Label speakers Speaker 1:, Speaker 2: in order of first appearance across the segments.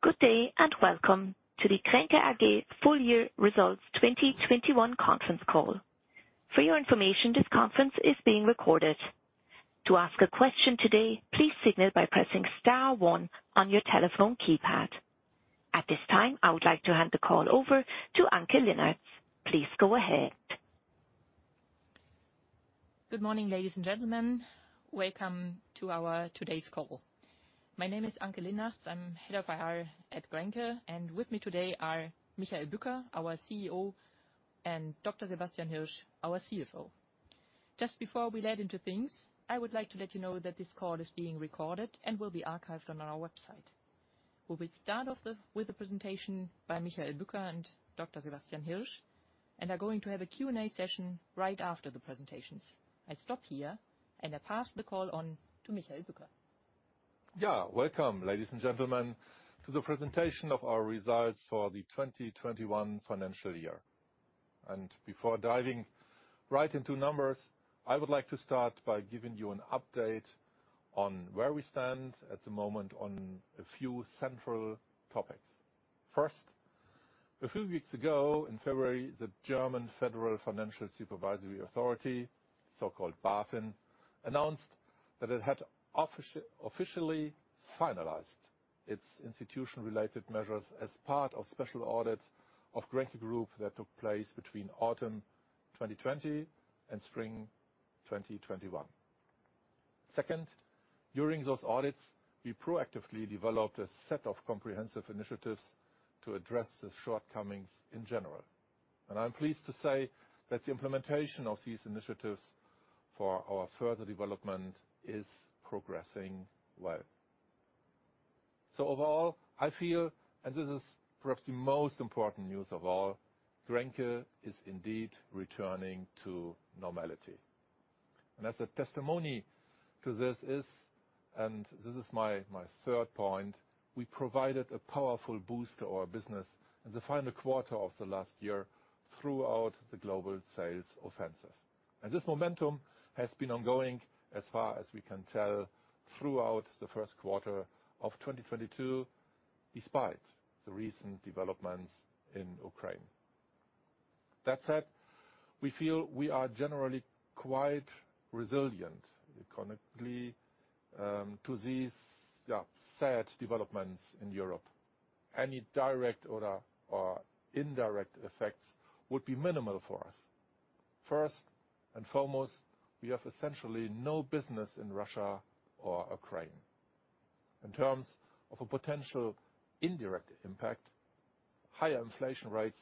Speaker 1: Good day and welcome to the Grenke AG full year results 2021 conference call. For your information, this conference is being recorded. To ask a question today, please signal by pressing star one on your telephone keypad. At this time, I would like to hand the call over to Anke Linnartz. Please go ahead.
Speaker 2: Good morning, ladies and gentlemen. Welcome to our today's call. My name is Anke Linnartz. I'm Head of IR at Grenke, and with me today are Michael Bücker, our CEO, and Dr. Sebastian Hirsch, our CFO. Just before we dive into things, I would like to let you know that this call is being recorded and will be archived on our website. We will start with the presentation by Michael Bücker and Dr. Sebastian Hirsch, and are going to have a Q&A session right after the presentations. I stop here and I pass the call on to Michael Bücker.
Speaker 3: Yeah. Welcome, ladies and gentlemen, to the presentation of our results for the 2021 financial year. Before diving right into numbers, I would like to start by giving you an update on where we stand at the moment on a few central topics. First, a few weeks ago, in February, the German Federal Financial Supervisory Authority, so-called BaFin, announced that it had officially finalized its institution-related measures as part of special audit of Grenke Group that took place between autumn 2020 and spring 2021. Second, during those audits, we proactively developed a set of comprehensive initiatives to address the shortcomings in general. I'm pleased to say that the implementation of these initiatives for our further development is progressing well. Overall, I feel, and this is perhaps the most important news of all, Grenke is indeed returning to normality. As a testimony to this is, and this is my third point, we provided a powerful boost to our business in the final quarter of the last year throughout the global sales offensive. This momentum has been ongoing as far as we can tell throughout the first quarter of 2022, despite the recent developments in Ukraine. That said, we feel we are generally quite resilient economically to these sad developments in Europe. Any direct or indirect effects would be minimal for us. First and foremost, we have essentially no business in Russia or Ukraine. In terms of a potential indirect impact, higher inflation rates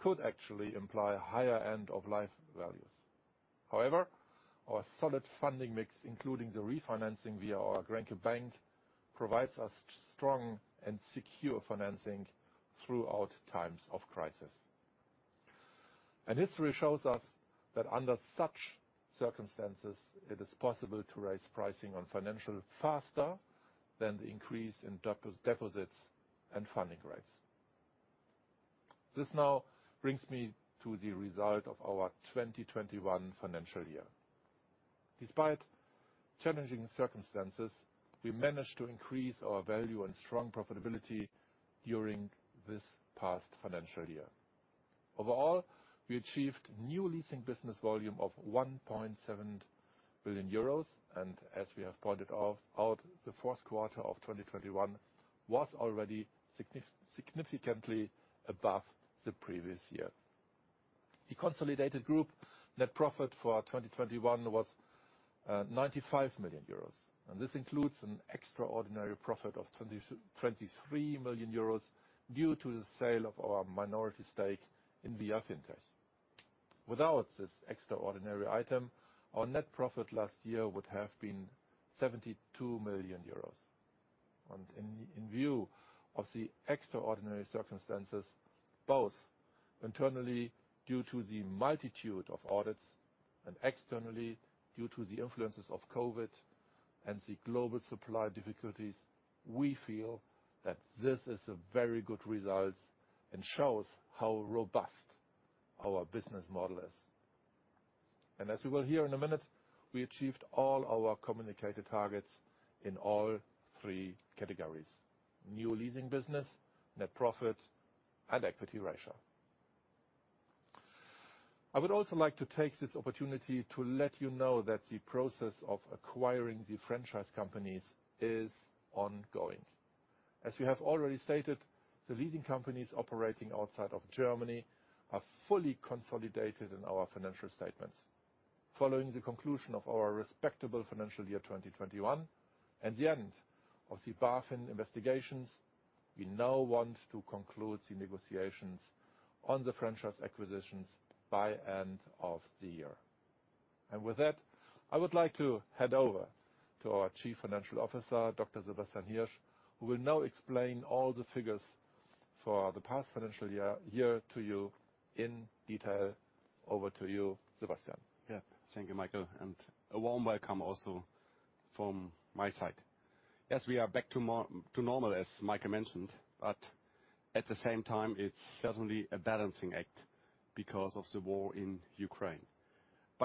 Speaker 3: could actually imply higher end of life values. However, our solid funding mix, including the refinancing via our Grenke Bank, provides us strong and secure financing throughout times of crisis. History shows us that under such circumstances it is possible to raise pricing on financing faster than the increase in deposits and funding rates. This now brings me to the result of our 2021 financial year. Despite challenging circumstances, we managed to increase our value and strong profitability during this past financial year. Overall, we achieved new leasing business volume of 1.7 billion euros, and as we have pointed out, the fourth quarter of 2021 was already significantly above the previous year. The consolidated group net profit for 2021 was 95 million euros, and this includes an extraordinary profit of 23 million euros due to the sale of our minority stake in viafintech. Without this extraordinary item, our net profit last year would have been 72 million euros. In view of the extraordinary circumstances, both internally due to the multitude of audits and externally due to the influences of COVID and the global supply difficulties, we feel that this is a very good result and shows how robust our business model is. As you will hear in a minute, we achieved all our communicated targets in all three categories, new leasing business, net profit, and equity ratio. I would also like to take this opportunity to let you know that the process of acquiring the franchise companies is ongoing. As we have already stated, the leasing companies operating outside of Germany are fully consolidated in our financial statements. Following the conclusion of our respectable financial year, 2021, and the end of the BaFin investigations, we now want to conclude the negotiations on the franchise acquisitions by end of the year. With that, I would like to hand over to our Chief Financial Officer, Dr. Sebastian Hirsch, who will now explain all the figures for the past financial year to you in detail. Over to you, Sebastian.
Speaker 4: Yeah. Thank you, Michael. A warm welcome also from my side. Yes, we are back to normal, as Michael mentioned, but at the same time it's certainly a balancing act because of the war in Ukraine.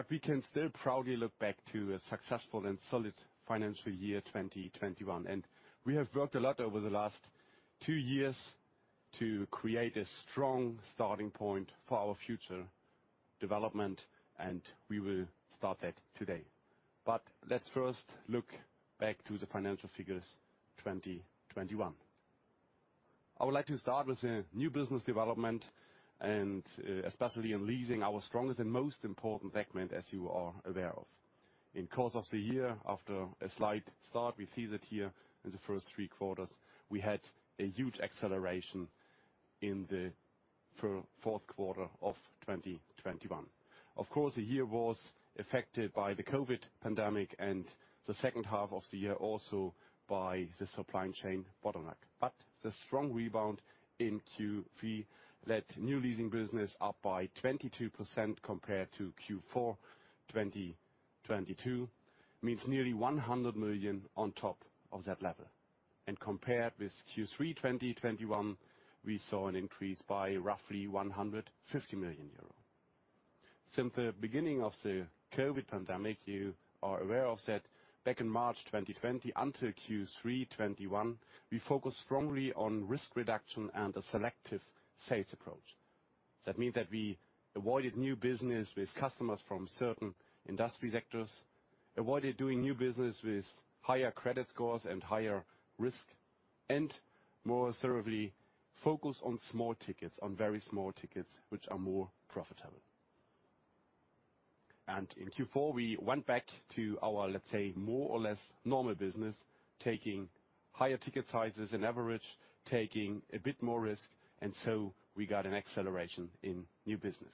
Speaker 4: We can still proudly look back to a successful and solid financial year 2021. We have worked a lot over the last two years to create a strong starting point for our future development, and we will start that today. Let's first look back to the financial figures 2021. I would like to start with the new business development and especially in leasing our strongest and most important segment, as you are aware of. In the course of the year after a slight start, we see that here in the first three quarters, we had a huge acceleration in the fourth quarter of 2021. Of course, the year was affected by the COVID pandemic and the second half of the year also by the supply chain bottleneck. The strong rebound in Q3 led new leasing business up by 22% compared to Q4 2022, meaning nearly 100 million on top of that level. Compared with Q3 2021, we saw an increase by roughly 150 million euros. Since the beginning of the COVID pandemic, you are aware of that back in March 2020 until Q3 2021, we focused wrongly on risk reduction and a selective sales approach. That means that we avoided new business with customers from certain industry sectors, avoided doing new business with higher credit scores and higher risk, and more thoroughly focused on small tickets, on very small tickets, which are more profitable. In Q4 we went back to our, let's say, more or less normal business, taking higher ticket sizes on average, taking a bit more risk, and so we got an acceleration in new business.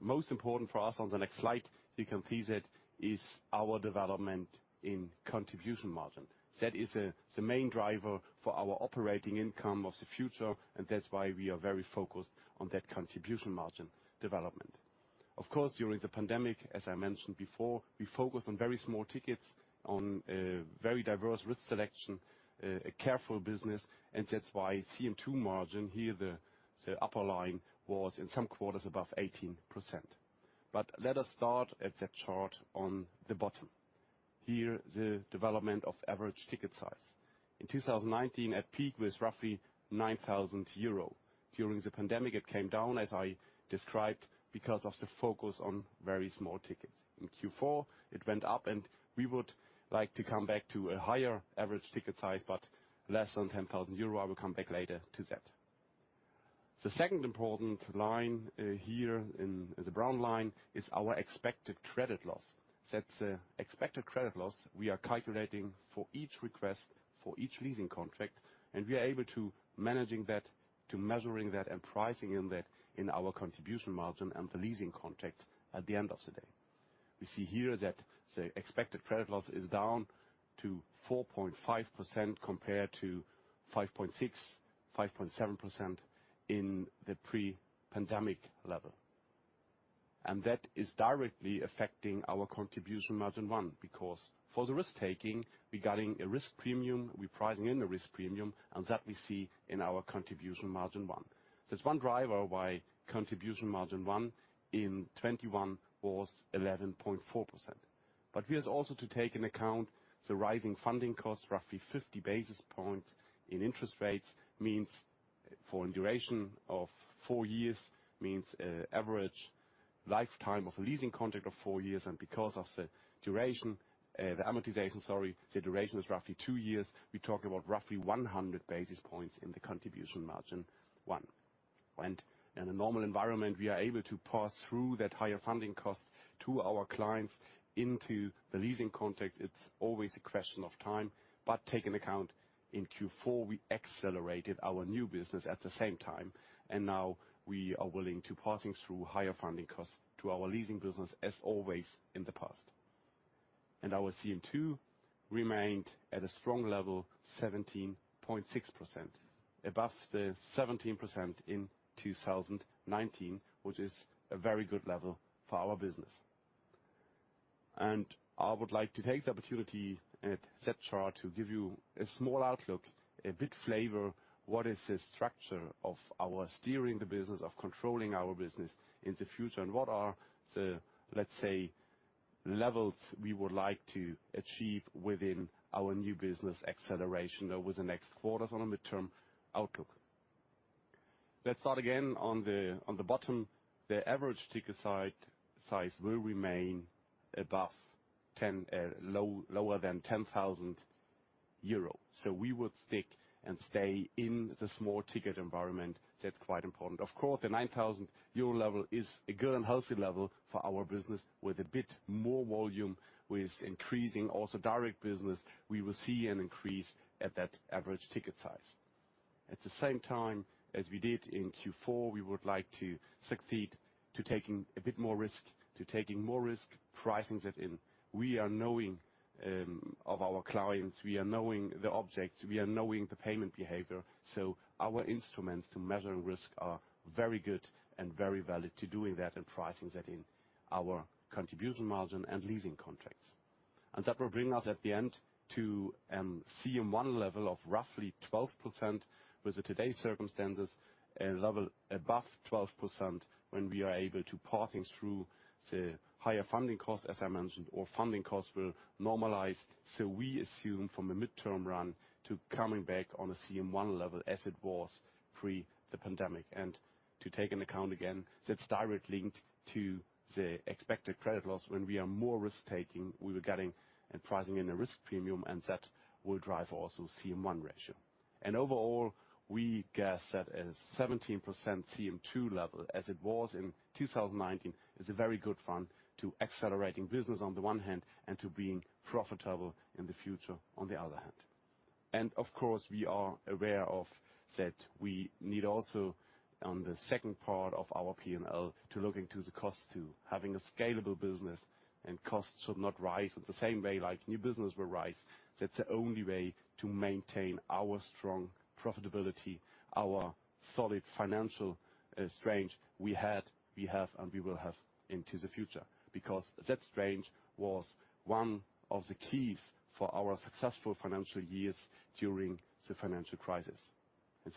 Speaker 4: Most important for us on the next slide, you can see that is our development in contribution margin. That is the main driver for our operating income of the future, and that's why we are very focused on that contribution margin development. Of course, during the pandemic, as I mentioned before, we focused on very small tickets, on very diverse risk selection, a careful business, and that's why CM2 margin here the upper line was in some quarters above 18%. Let us start at that chart on the bottom. Here, the development of average ticket size. In 2019 at peak was roughly 9,000 euro. During the pandemic, it came down, as I described, because of the focus on very small tickets. In Q4, it went up and we would like to come back to a higher average ticket size, but less than 10,000 euro. I will come back later to that. The second important line here in the brown line is our expected credit loss. That's the expected credit loss we are calculating for each request, for each leasing contract, and we are able to managing that, to measuring that, and pricing in that in our contribution margin and the leasing contract at the end of the day. We see here that the expected credit loss is down to 4.5% compared to 5.6-5.7% in the pre-pandemic level. That is directly affecting our contribution margin one because for the risk-taking, we price in a risk premium, and that we see in our contribution margin one. It's one driver why contribution margin one in 2021 was 11.4%. Here's also to take into account the rising funding costs, roughly 50 basis points in interest rates means for a duration of four years, average lifetime of a leasing contract of four years and because of the duration, the duration is roughly two years, we talk about roughly 100 basis points in the contribution margin one. In a normal environment, we are able to pass through that higher funding cost to our clients into the leasing context. It's always a question of time, but take into account in Q4, we accelerated our new business at the same time, and now we are willing to pass through higher funding costs to our leasing business as always in the past. Our CM2 remained at a strong level, 17.6%, above the 17% in 2019, which is a very good level for our business. I would like to take the opportunity at that chart to give you a small outlook, a bit of flavor, what is the structure of our steering the business, of controlling our business in the future, and what are the, let's say, levels we would like to achieve within our new business acceleration over the next quarters on a midterm outlook. Let's start again on the bottom. The average ticket size will remain lower than 10,000 euro. We will stick and stay in the small ticket environment. That's quite important. Of course, the 9,000 euro level is a good and healthy level for our business with a bit more volume, with increasing also direct business. We will see an increase at that average ticket size. At the same time, as we did in Q4, we would like to succeed to taking a bit more risk, to taking more risk, pricing that in. We are knowing of our clients, we are knowing the objects, we are knowing the payment behavior. Our instruments to measuring risk are very good and very valid to doing that and pricing that in our contribution margin and leasing contracts. That will bring us at the end to CM1 level of roughly 12% with today's circumstances, a level above 12% when we are able to pass things through the higher funding costs, as I mentioned, or funding costs will normalize. We assume from a midterm run to coming back on a CM1 level as it was pre the pandemic. To take into account again, that's directly linked to the expected credit loss when we are more risk-taking, we were getting and pricing in a risk premium, and that will drive also CM1 ratio. Overall, we guess that a 17% CM2 level as it was in 2019 is a very good fund to accelerating business on the one hand and to being profitable in the future on the other hand. Of course, we are aware of that we need also on the second part of our P&L to look into the cost too. Having a scalable business and costs should not rise in the same way like new business will rise. That's the only way to maintain our strong profitability, our solid financial strength we had, we have, and we will have into the future. Because that strength was one of the keys for our successful financial years during the financial crisis.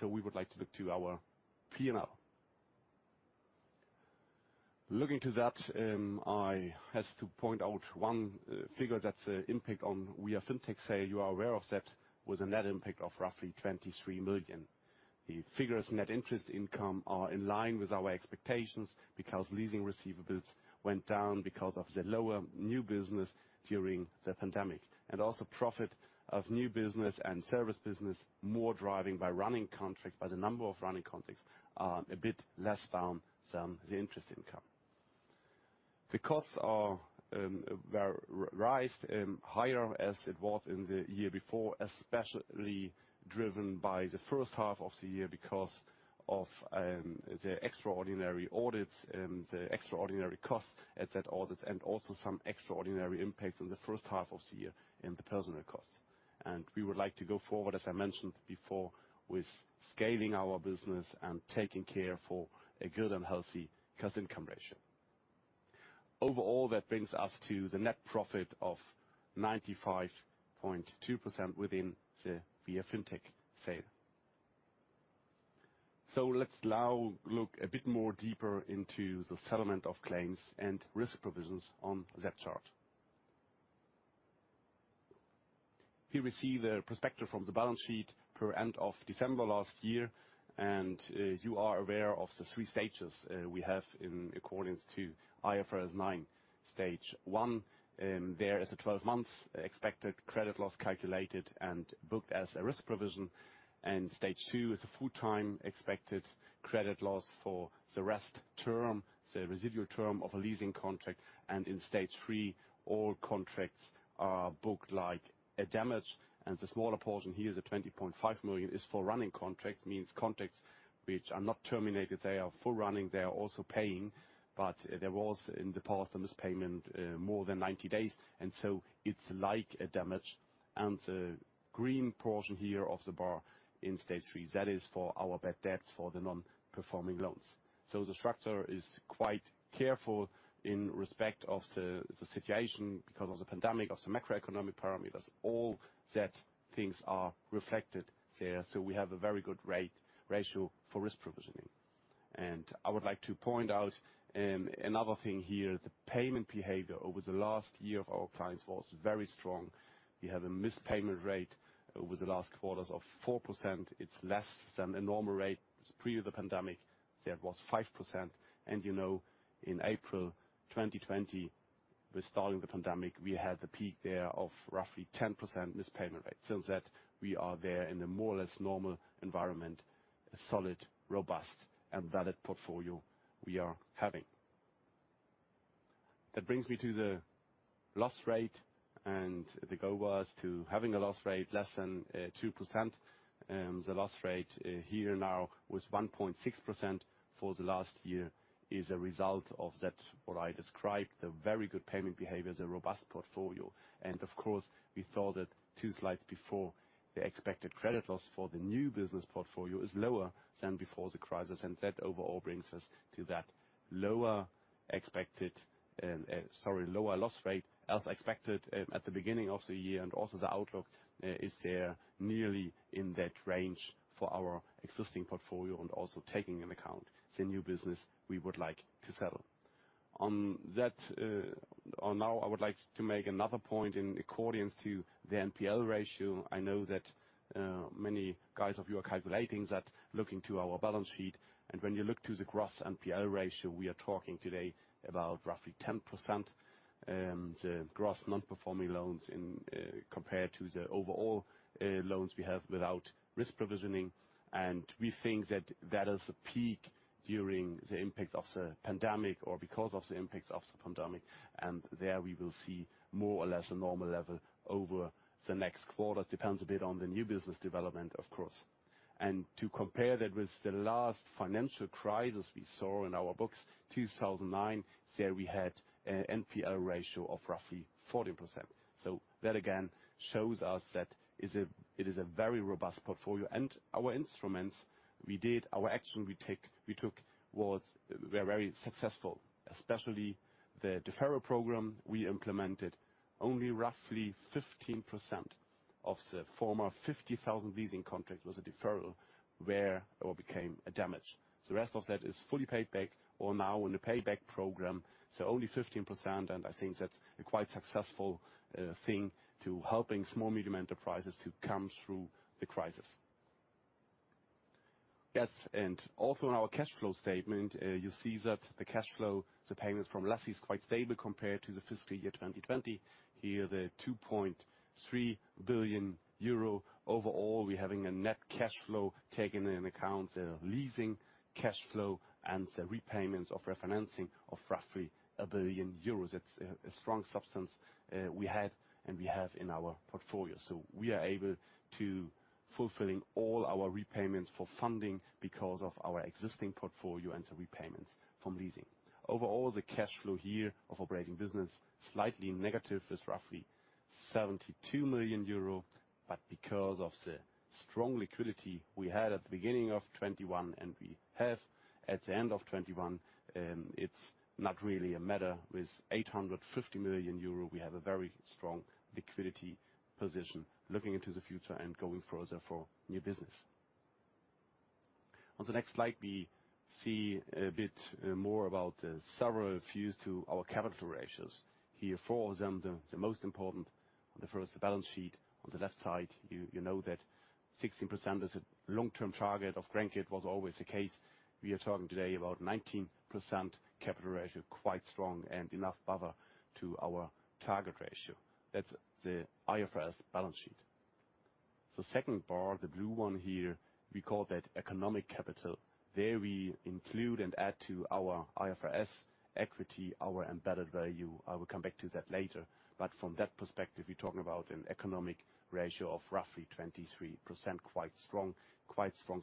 Speaker 4: We would like to look to our P&L. Looking at that, I have to point out one figure that's the impact on viafintech sale. You are aware of that with a net impact of roughly 23 million. The net interest income figures are in line with our expectations because leasing receivables went down because of the lower new business during the pandemic. Profit of new business and service business are more driven by running contracts. The number of running contracts were a bit less down than the interest income. The costs were higher as it was in the year before, especially driven by the first half of the year because of the extraordinary audits and the extraordinary costs at that audit, and also some extraordinary impacts in the first half of the year in the personnel costs. We would like to go forward, as I mentioned before, with scaling our business and taking care for a good and healthy cost-income ratio. Overall, that brings us to the net profit of 95.2% within the viafintech sale. Let's now look a bit more deeper into the settlement of claims and risk provisions on that chart. Here we see the perspective from the balance sheet per end of December last year, and you are aware of the 3 stages we have in accordance to IFRS 9. Stage one, there is a 12 months expected credit loss calculated and booked as a risk provision. Stage two is a lifetime expected credit loss for the rest term, the residual term of a leasing contract. In stage three, all contracts are booked like a damage, and the smaller portion here, the 20.5 million, is for running contracts. Means contracts which are not terminated, they are full running, they are also paying. There was in the past a missed payment more than 90 days, and so it's like a damage. The green portion here of the bar in stage three, that is for our bad debts for the non-performing loans. The structure is quite careful in respect of the situation because of the pandemic, of the macroeconomic parameters. All that things are reflected there. We have a very good ratio for risk provisioning. I would like to point out another thing here. The payment behavior over the last year of our clients was very strong. We have a missed payment rate over the last quarters of 4%. It's less than a normal rate. Pre the pandemic, that was 5%. You know, in April 2020, with starting the pandemic, we had the peak there of roughly 10% missed payment rate. Since that we are there in a more or less normal environment, a solid, robust, and valid portfolio we are having. That brings me to the loss rate, and the goal was to having a loss rate less than 2%. The loss rate here now was 1.6% for the last year is a result of that what I described, the very good payment behavior, the robust portfolio. Of course, we saw that two slides before, the expected credit loss for the new business portfolio is lower than before the crisis. That overall brings us to lower loss rate as expected at the beginning of the year. Also the outlook is nearly there in that range for our existing portfolio and also taking into account the new business we would like to settle. On that now I would like to make another point in accordance to the NPL ratio. I know that many of you are calculating that looking at our balance sheet. When you look at the gross NPL ratio, we are talking today about roughly 10%, the gross non-performing loans compared to the overall loans we have without risk provisioning. We think that is a peak during the impact of the pandemic or because of the impact of the pandemic. There we will see more or less a normal level over the next quarters. Depends a bit on the new business development, of course. To compare that with the last financial crisis we saw in our books, 2009, there we had a NPL ratio of roughly 14%. That again shows us that it is a very robust portfolio. Our instruments we did, our action we took were very successful. Especially the deferral program we implemented only roughly 15% of the former 50,000 leasing contracts was a deferral where it became a damage. The rest of that is fully paid back or now in the payback program. Only 15%, and I think that's a quite successful thing to helping small medium enterprises to come through the crisis. Yes, also in our cash flow statement, you see that the cash flow, the payments from lessees is quite stable compared to the fiscal year 2020. Here 2.3 billion euro. Overall, we're having a net cash flow taking into account the leasing cash flow and the repayments of refinancing of roughly 1 billion euros. That's a strong substance we had and we have in our portfolio. We are able to fulfilling all our repayments for funding because of our existing portfolio and the repayments from leasing. Overall, the cash flow here of operating business slightly negative is roughly 72 million euro. Because of the strong liquidity we had at the beginning of 2021 and we have at the end of 2021, it's not really a matter. With 850 million euro we have a very strong liquidity position looking into the future and going further for new business. On the next slide, we see a bit more about several views to our capital ratios. Here four of them, the most important. The first, the balance sheet. On the left side you know that 16% is a long-term target. Of course it was always the case. We are talking today about 19% capital ratio, quite strong and enough buffer to our target ratio. That's the IFRS balance sheet. The second bar, the blue one here, we call that economic capital. There we include and add to our IFRS equity, our embedded value. I will come back to that later. But from that perspective, we're talking about an economic ratio of roughly 23%, quite strong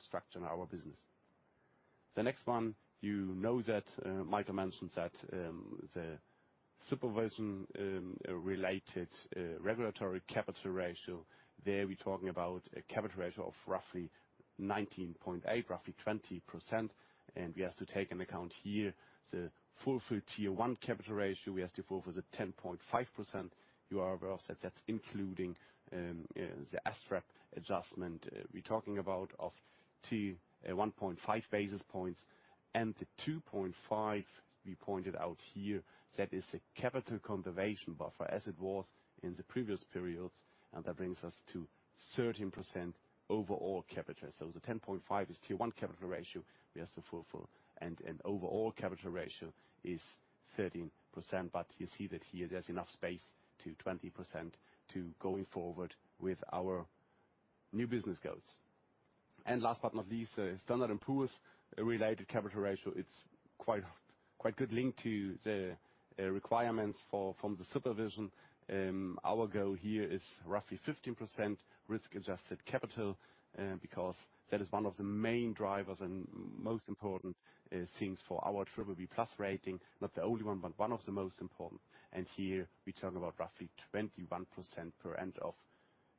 Speaker 4: structure in our business. The next one, you know that, Michael mentioned that, the supervision related regulatory capital ratio, there we're talking about a capital ratio of roughly 19.8, roughly 20%. We have to take into account here the full Tier 1 capital ratio we have to fulfill the 10.5%. You are aware of that's including the SREP adjustment we're talking about of 1.5 basis points. The 2.5 we pointed out here, that is a capital conservation buffer as it was in the previous periods. That brings us to 13% overall capital. The 10.5 is Tier 1 capital ratio we have to fulfill. An overall capital ratio is 13%. You see that here there's enough space to 20% to going forward with our new business goals. Standard & Poor's related capital ratio. It's quite good link to the requirements from the supervision. Our goal here is roughly 15% risk-adjusted capital, because that is one of the main drivers and most important things for our BBB+ rating. Not the only one, but one of the most important. Here we're talking about roughly 21% as of the end of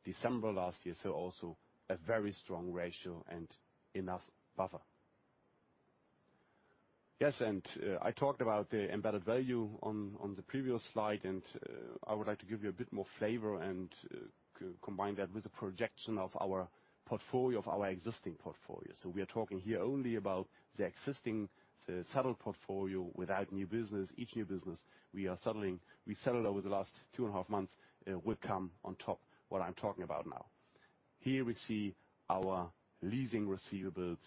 Speaker 4: December last year. Also a very strong ratio and enough buffer. I talked about the embedded value on the previous slide, and I would like to give you a bit more flavor and combine that with the projection of our portfolio, of our existing portfolio. We are talking here only about the existing, the settled portfolio without new business. Each new business we are settling, we settled over the last 2.5 months, would come on top what I'm talking about now. Here we see our leasing receivables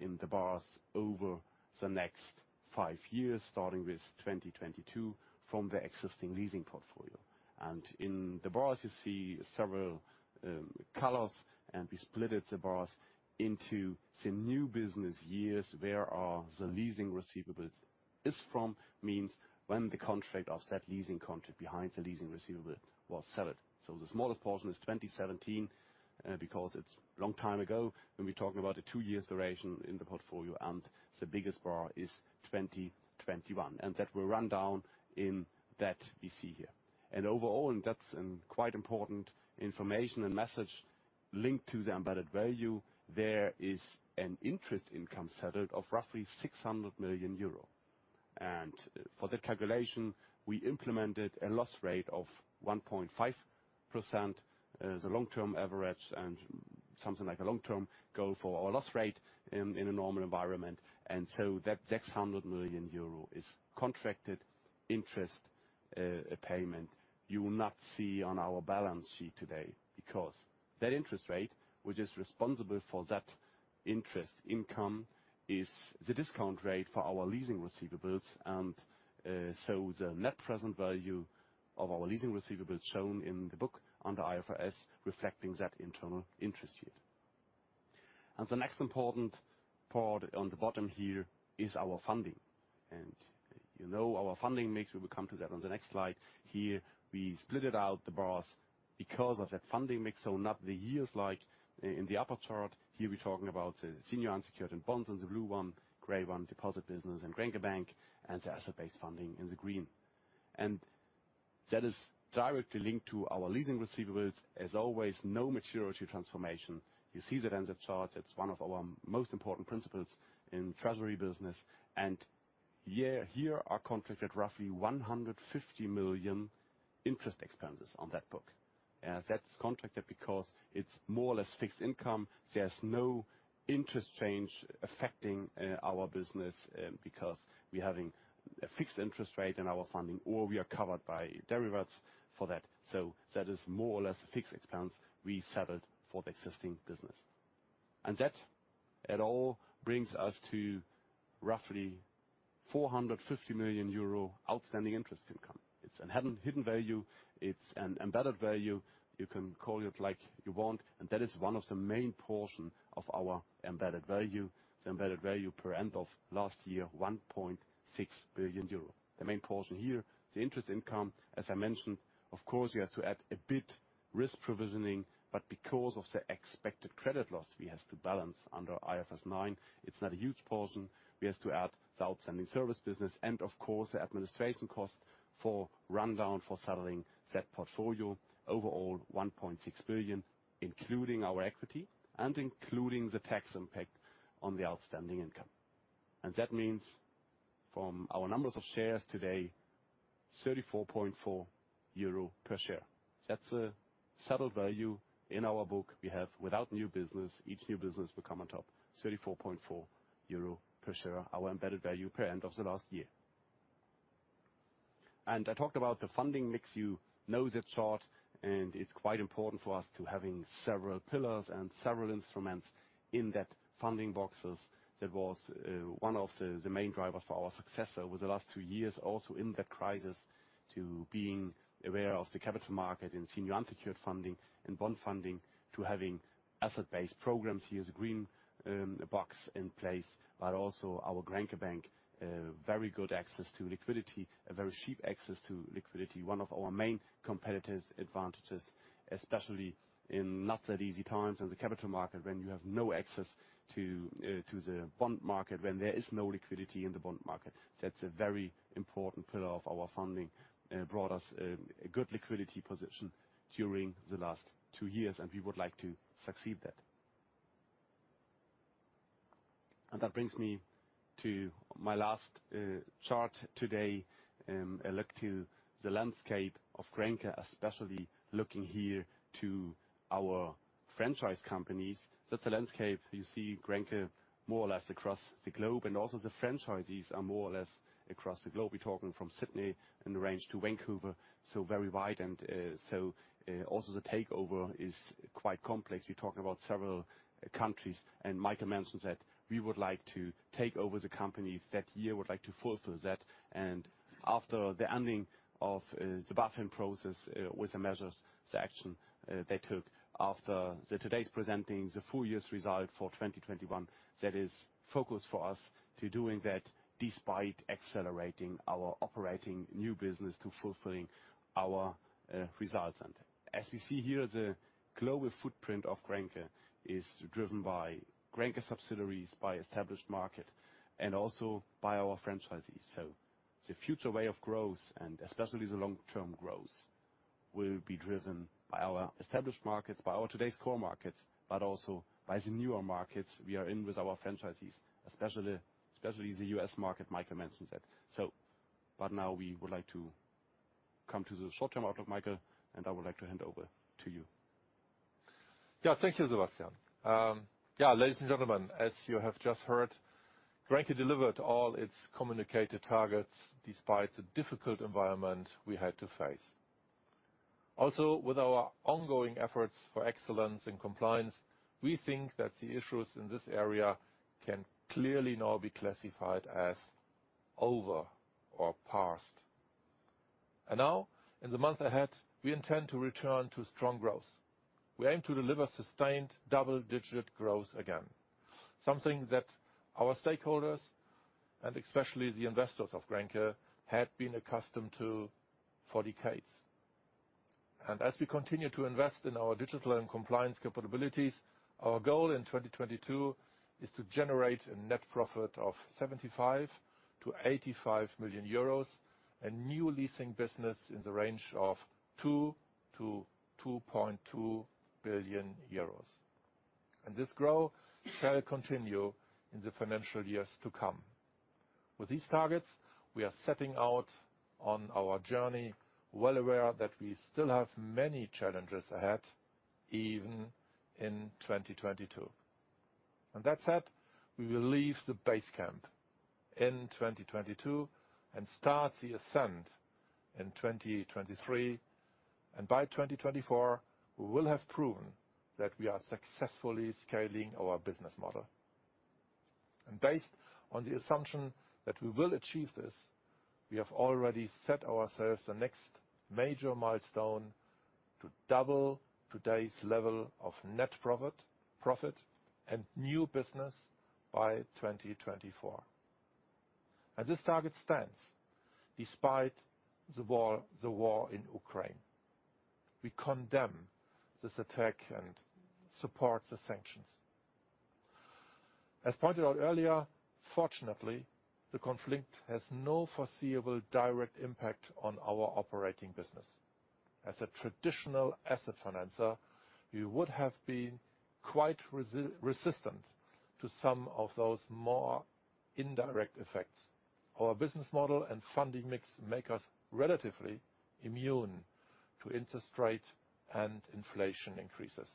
Speaker 4: in the bars over the next 5 years, starting with 2022 from the existing leasing portfolio. In the bars you see several colors, and we split the bars into the new business years where the leasing receivables is from, means when the contract of that leasing contract behind the leasing receivable was settled. The smallest portion is 2017, because it's long time ago, when we're talking about a two year duration in the portfolio and the biggest bar is 2021, and that will run down in that we see here. Overall, and that's a quite important information and message linked to the embedded value. There is an interest income settled of roughly 600 million euro. For that calculation, we implemented a loss rate of 1.5% as a long-term average and something like a long-term goal for our loss rate in a normal environment. That 600 million euro is contracted interest payment you will not see on our balance sheet today because that interest rate which is responsible for that interest income is the discount rate for our leasing receivables and so the net present value of our leasing receivables shown in the book under IFRS reflecting that internal interest rate. The next important part on the bottom here is our funding. You know our funding mix, we will come to that on the next slide. Here we split it out the bars because of that funding mix. Not the years like in the upper chart. Here we're talking about the senior unsecured and bonds in the blue one, gray one deposit business in Grenke Bank and the asset-based funding in the green. That is directly linked to our leasing receivables. As always, no maturity transformation. You see that in the chart, it's one of our most important principles in treasury business. Here are contracted roughly 150 million interest expenses on that book. That's contracted because it's more or less fixed income. There's no interest change affecting our business because we're having a fixed interest rate in our funding, or we are covered by derivatives for that. That is more or less a fixed expense we settled for the existing business. That, after all, brings us to roughly 450 million euro outstanding interest income. It's a hidden value, it's an embedded value. You can call it like you want, and that is one of the main portion of our embedded value. The embedded value as of end of last year, 1.6 billion euro. The main portion here, the interest income, as I mentioned, of course you have to add a bit risk provisioning, but because of the expected credit loss we have to book under IFRS 9, it's not a huge portion. We have to add the outstanding service business and of course the administration costs for rundown for settling that portfolio. Overall, 1.6 billion, including our equity and including the tax impact on the outstanding income. That means from our number of shares today, 34.4 euro per share. That's a substantial value in our book we have without new business. Each new business will come on top. 34.4 euro per share, our embedded value per end of the last year. I talked about the funding mix. You know the chart, and it's quite important for us to having several pillars and several instruments in that funding boxes. That was one of the main drivers for our success over the last two years, also in that crisis, to being aware of the capital market and senior unsecured funding and bond funding, to having asset-based programs. Here's a green box in place. But also our Grenke Bank, very good access to liquidity, a very cheap access to liquidity. One of our main competitive advantages, especially in not that easy times in the capital market, when you have no access to the bond market, when there is no liquidity in the bond market. That's a very important pillar of our funding that brought us a good liquidity position during the last two years, and we would like to succeed that. That brings me to my last chart today. A look to the landscape of Grenke, especially looking here to our franchise companies. That's the landscape. You see Grenke more or less across the globe, and also the franchises are more or less across the globe. We're talking from Sydney in the range to Vancouver, so very wide. Also the takeover is quite complex. We're talking about several countries, and Michael mentioned that we would like to take over the company that year, would like to fulfill that. After the ending of the BaFin process with the measures, the action they took after today's presentation of the full year result for 2021, that is the focus for us in doing that despite accelerating our operating new business to fulfilling our results. As we see here, the global footprint of Grenke is driven by Grenke subsidiaries, by established markets, and also by our franchisees. The future way of growth, and especially the long-term growth, will be driven by our established markets, by our today's core markets, but also by the newer markets we are in with our franchisees, especially the U.S. market, Michael mentioned that. Now we would like to come to the short-term outlook. Michael, I would like to hand over to you.
Speaker 3: Thank you, Sebastian. Ladies and gentlemen, as you have just heard, Grenke delivered all its communicated targets despite the difficult environment we had to face. Also, with our ongoing efforts for excellence in compliance, we think that the issues in this area can clearly now be classified as over or past. Now, in the month ahead, we intend to return to strong growth. We aim to deliver sustained double-digit growth again, something that our stakeholders, and especially the investors of Grenke, had been accustomed to for decades. As we continue to invest in our digital and compliance capabilities, our goal in 2022 is to generate a net profit of 75 million-85 million euros, a new leasing business in the range of 2 billion-2.2 billion euros. This growth shall continue in the financial years to come. With these targets, we are setting out on our journey well aware that we still have many challenges ahead, even in 2022. That said, we will leave the base camp in 2022 and start the ascent in 2023. By 2024, we will have proven that we are successfully scaling our business model. Based on the assumption that we will achieve this, we have already set ourselves the next major milestone to double today's level of net profit and new business by 2024. This target stands despite the war in Ukraine. We condemn this attack and support the sanctions. As pointed out earlier, fortunately, the conflict has no foreseeable direct impact on our operating business. As a traditional asset financer, we would have been quite resistant to some of those more indirect effects. Our business model and funding mix make us relatively immune to interest rate and inflation increases.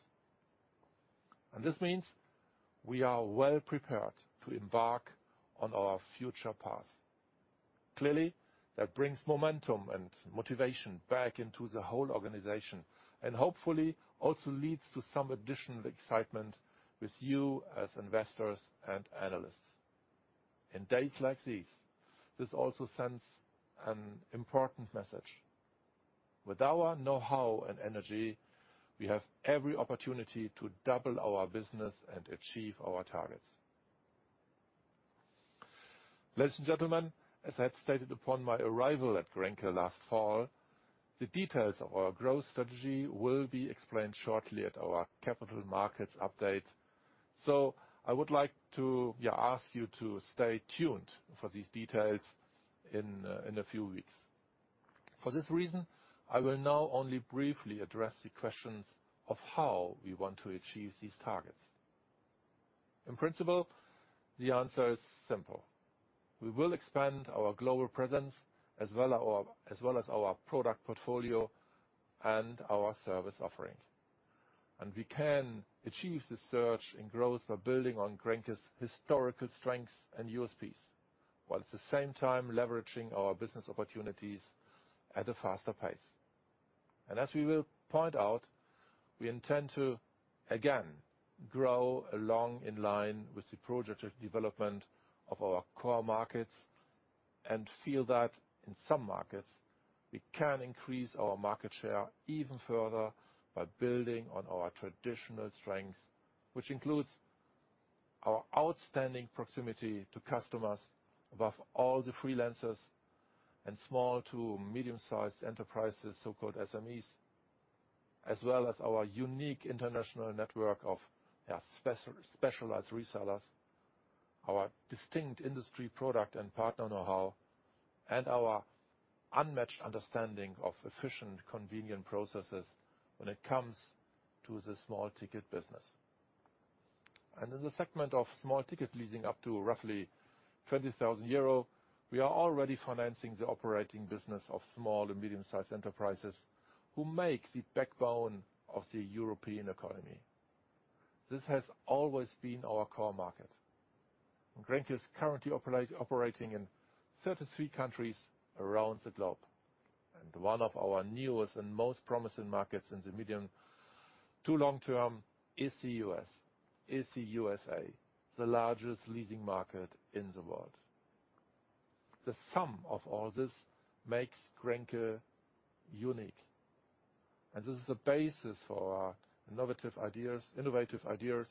Speaker 3: This means we are well prepared to embark on our future path. Clearly, that brings momentum and motivation back into the whole organization, and hopefully also leads to some additional excitement with you as investors and analysts. In days like these, this also sends an important message. With our know-how and energy, we have every opportunity to double our business and achieve our targets. Ladies and gentlemen, as I had stated upon my arrival at Grenke last fall, the details of our growth strategy will be explained shortly at our capital markets update. I would like to ask you to stay tuned for these details in a few weeks. For this reason, I will now only briefly address the questions of how we want to achieve these targets. In principle, the answer is simple. We will expand our global presence as well as our product portfolio and our service offering. We can achieve this surge in growth by building on Grenke's historical strengths and USPs, while at the same time leveraging our business opportunities at a faster pace. We intend to again grow along in line with the projected development of our core markets and feel that in some markets, we can increase our market share even further by building on our traditional strengths, which includes our outstanding proximity to customers above all the freelancers and small to medium-sized enterprises, so-called SMEs, as well as our unique international network of specialized resellers, our distinct industry product and partner know-how, and our unmatched understanding of efficient, convenient processes when it comes to the small ticket business. In the segment of small ticket leasing up to roughly 20,000 euro, we are already financing the operating business of small and medium-sized enterprises who make the backbone of the European economy. This has always been our core market. Grenke is currently operating in 33 countries around the globe. One of our newest and most promising markets in the medium to long term is the U.S., the USA, the largest leasing market in the world. The sum of all this makes Grenke unique, and this is the basis for our innovative ideas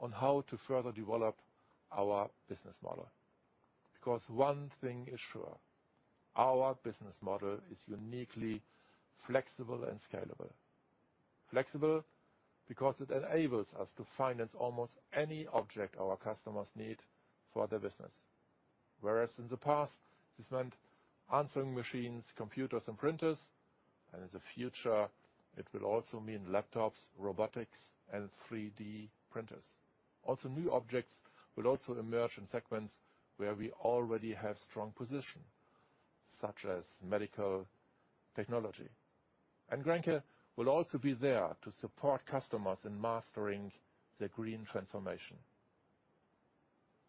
Speaker 3: on how to further develop our business model. Because one thing is sure, our business model is uniquely flexible and scalable. Flexible because it enables us to finance almost any object our customers need for their business. Whereas in the past, this meant answering machines, computers, and printers, and in the future, it will also mean laptops, robotics, and 3D printers. Also, new objects will also emerge in segments where we already have strong position, such as medical technology. Grenke will also be there to support customers in mastering the green transformation.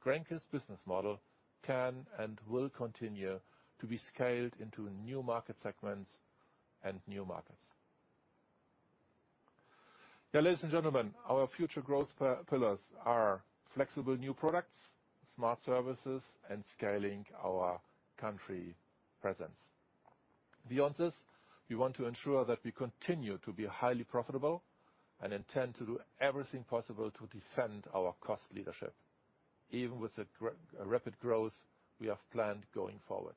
Speaker 3: Grenke's business model can and will continue to be scaled into new market segments and new markets. Now, ladies and gentlemen, our future growth pillars are flexible new products, smart services, and scaling our country presence. Beyond this, we want to ensure that we continue to be highly profitable and intend to do everything possible to defend our cost leadership, even with the rapid growth we have planned going forward.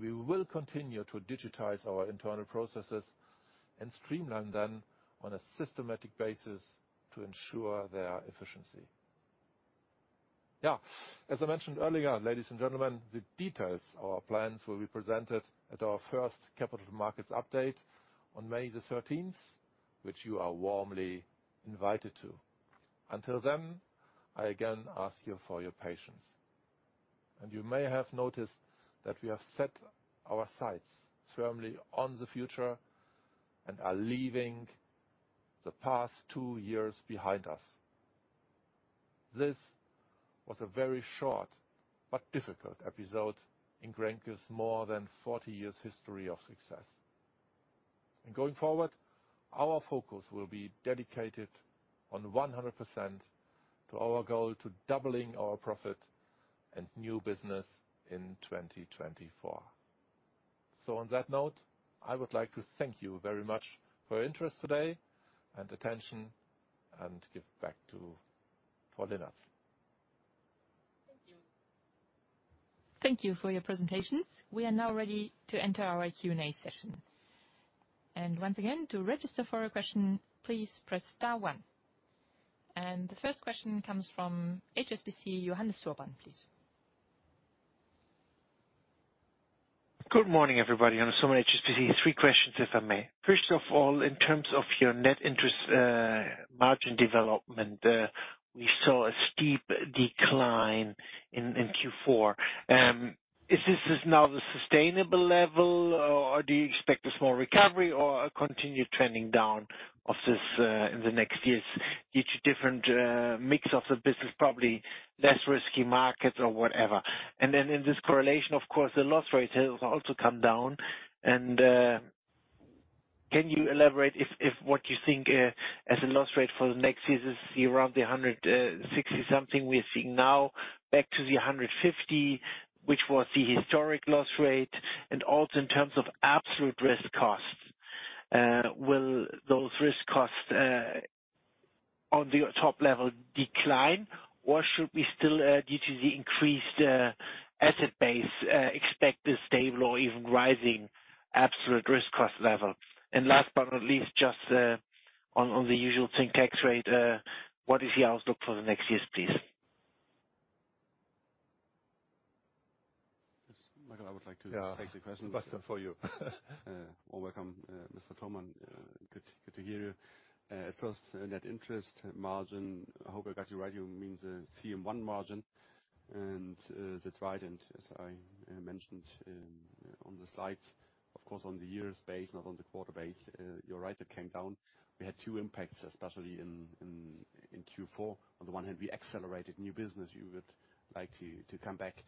Speaker 3: We will continue to digitize our internal processes and streamline them on a systematic basis to ensure their efficiency. As I mentioned earlier, ladies and gentlemen, the details of our plans will be presented at our first capital markets update on May 13, which you are warmly invited to. Until then, I again ask you for your patience. You may have noticed that we have set our sights firmly on the future and are leaving the past two years behind us. This was a very short but difficult episode in Grenke's more than 40 years history of success. Going forward, our focus will be dedicated on 100% to our goal to doubling our profit and new business in 2024. On that note, I would like to thank you very much for your interest today and attention, and give back to Anke Linnartz.
Speaker 2: Thank you for your presentations. We are now ready to enter our Q&A session. Once again, to register for a question, please press star one. The first question comes from HSBC, Johannes Thormann. Please.
Speaker 5: Good morning, everybody. Johannes, HSBC. Three questions, if I may. First of all, in terms of your net interest margin development, we saw a steep decline in Q4. Is this now the sustainable level, or do you expect a small recovery or a continued trending down of this in the next years, a different mix of the business, probably less risky markets or whatever. Then in this correlation, of course, the loss rates has also come down. Can you elaborate on what you think as a loss rate for the next years is it around the 160-something we're seeing now back to the 150, which was the historic loss rate? Also in terms of absolute risk costs, will those risk costs on your top level decline, or should we still due to the increased asset base expect a stable or even rising absolute risk cost level? Last but not least, just on the usual effective tax rate, what is your outlook for the next years, please?
Speaker 4: Yes. Michael, I would like to.
Speaker 3: Yeah.
Speaker 4: Take the questions.
Speaker 3: Basta for you.
Speaker 4: Welcome, Mr. Thormann. Good to hear you. At first net interest margin. I hope I got you right. You mean CM1 margin, and that's right. As I mentioned on the slides, of course, on a yearly basis, not on a quarterly basis, you're right, it came down. We had two impacts, especially in Q4. On the one hand, we accelerated new business. You would like to come back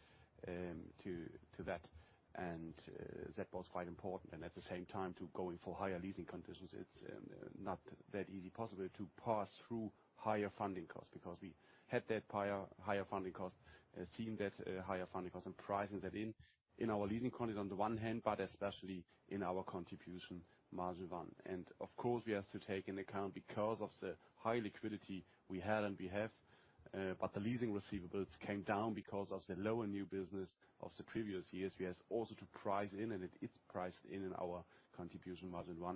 Speaker 4: to that, and that was quite important. At the same time going for higher leasing conditions. It's not that easy to pass through higher funding costs because we had that higher funding costs, we've seen that higher funding costs and pricing that in our leasing conditions on the one hand, but especially in our CM1. Of course, we have to take into account because of the high liquidity we had and we have, but the leasing receivables came down because of the lower new business of the previous years. We have also to price in, and it's priced in in our CM1.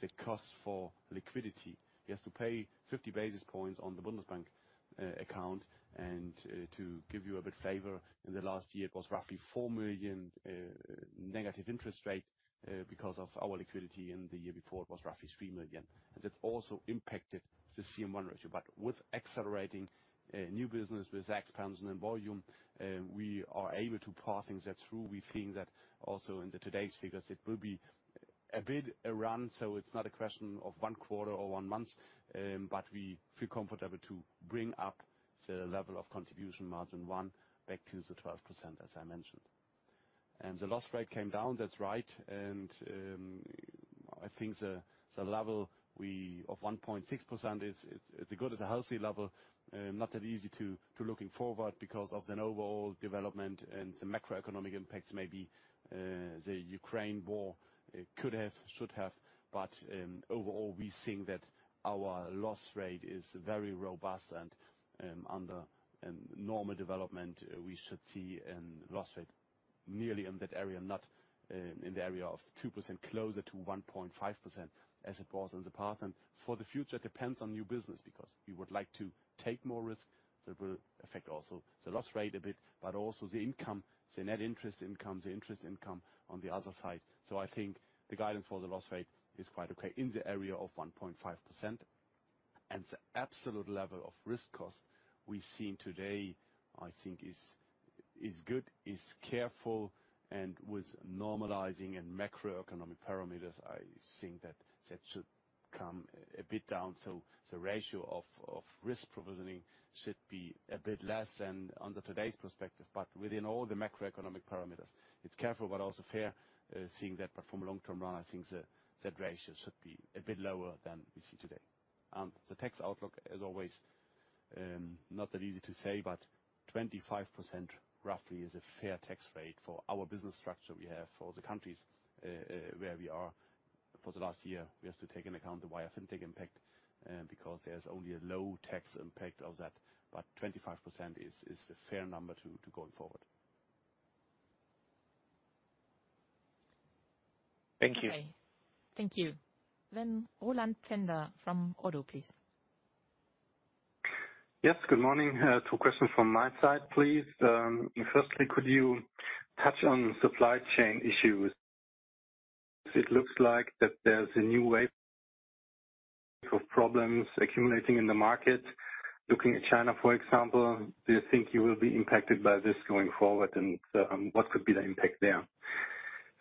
Speaker 4: The cost for liquidity, we have to pay 50 basis points on the Deutsche Bundesbank account. To give you a bit of flavor, in the last year it was roughly 4 million negative interest rate because of our liquidity. In the year before it was roughly 3 million. That also impacted the CM1 ratio. With accelerating new business, with expansion in volume, we are able to pass that through. We think that also in today's figures, it will be a bit of a run, so it's not a question of one quarter or one month. We feel comfortable to bring up the level of CM1 back to the 12%, as I mentioned. The loss rate came down. That's right. I think the level of 1.6% is a good, healthy level. Not that easy to look forward because of an overall development and the macroeconomic impacts maybe the Ukraine war could have, should have. Overall we're seeing that our loss rate is very robust and under normal development we should see a loss rate nearly in that area, not in the area of 2%, closer to 1.5% as it was in the past. For the future depends on new business because we would like to take more risks that will affect also the loss rate a bit, but also the income, the net interest income, the interest income on the other side. I think the guidance for the loss rate is quite okay in the area of 1.5%. The absolute level of risk cost we've seen today, I think is good, is careful. With normalizing and macroeconomic parameters, I think that should come a bit down. The ratio of risk provisioning should be a bit less than under today's perspective. Within all the macroeconomic parameters it's careful but also fair, seeing that. From a long-term run, I think the ratio should be a bit lower than we see today. The tax outlook is always not that easy to say, but 25% roughly is a fair tax rate for our business structure we have for the countries where we are. For the last year we have to take into account the viafintech FinTech impact, because there's only a low tax impact of that. 25% is a fair number going forward.
Speaker 5: Thank you.
Speaker 2: Okay. Thank you. Roland Pfänder from ODDO, please.
Speaker 6: Yes, good morning. Two questions from my side please. Firstly, could you touch on supply chain issues? It looks like that there's a new wave of problems accumulating in the market. Looking at China, for example, do you think you will be impacted by this going forward, and what could be the impact there?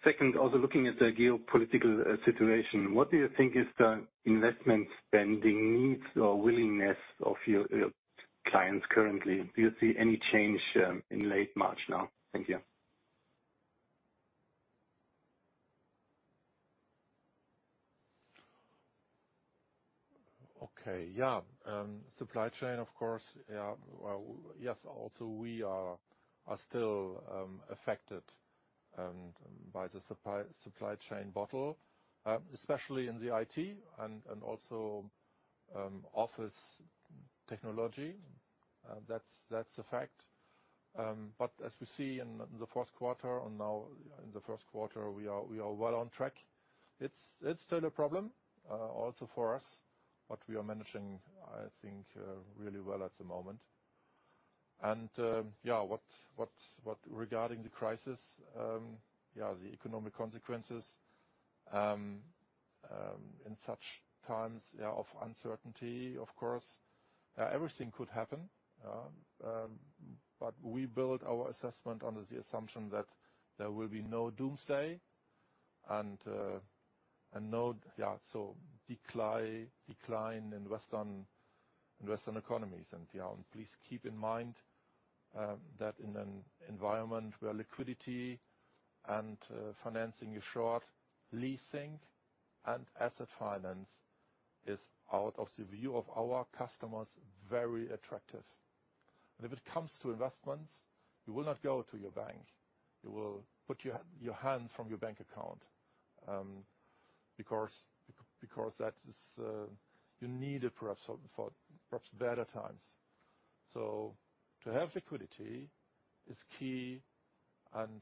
Speaker 6: Second, also looking at the geopolitical situation, what do you think is the investment spending needs or willingness of your clients currently? Do you see any change in late March now? Thank you.
Speaker 3: Okay. Yeah. Supply chain, of course. Yeah. Well, yes, also we are still affected by the supply chain bottleneck, especially in the IT and also office. Technology, that's a fact. But as we see in the fourth quarter and now in the first quarter, we are well on track. It's still a problem also for us. But we are managing, I think, really well at the moment. What regarding the crisis, the economic consequences, in such times of uncertainty, of course, everything could happen. But we build our assessment under the assumption that there will be no doomsday and no decline in Western economies. Please keep in mind that in an environment where liquidity and financing is short, leasing and asset finance is out of the view of our customers, very attractive. If it comes to investments, you will not go to your bank, you will put your hand in your bank account, because that is you need it perhaps for better times. To have liquidity is key and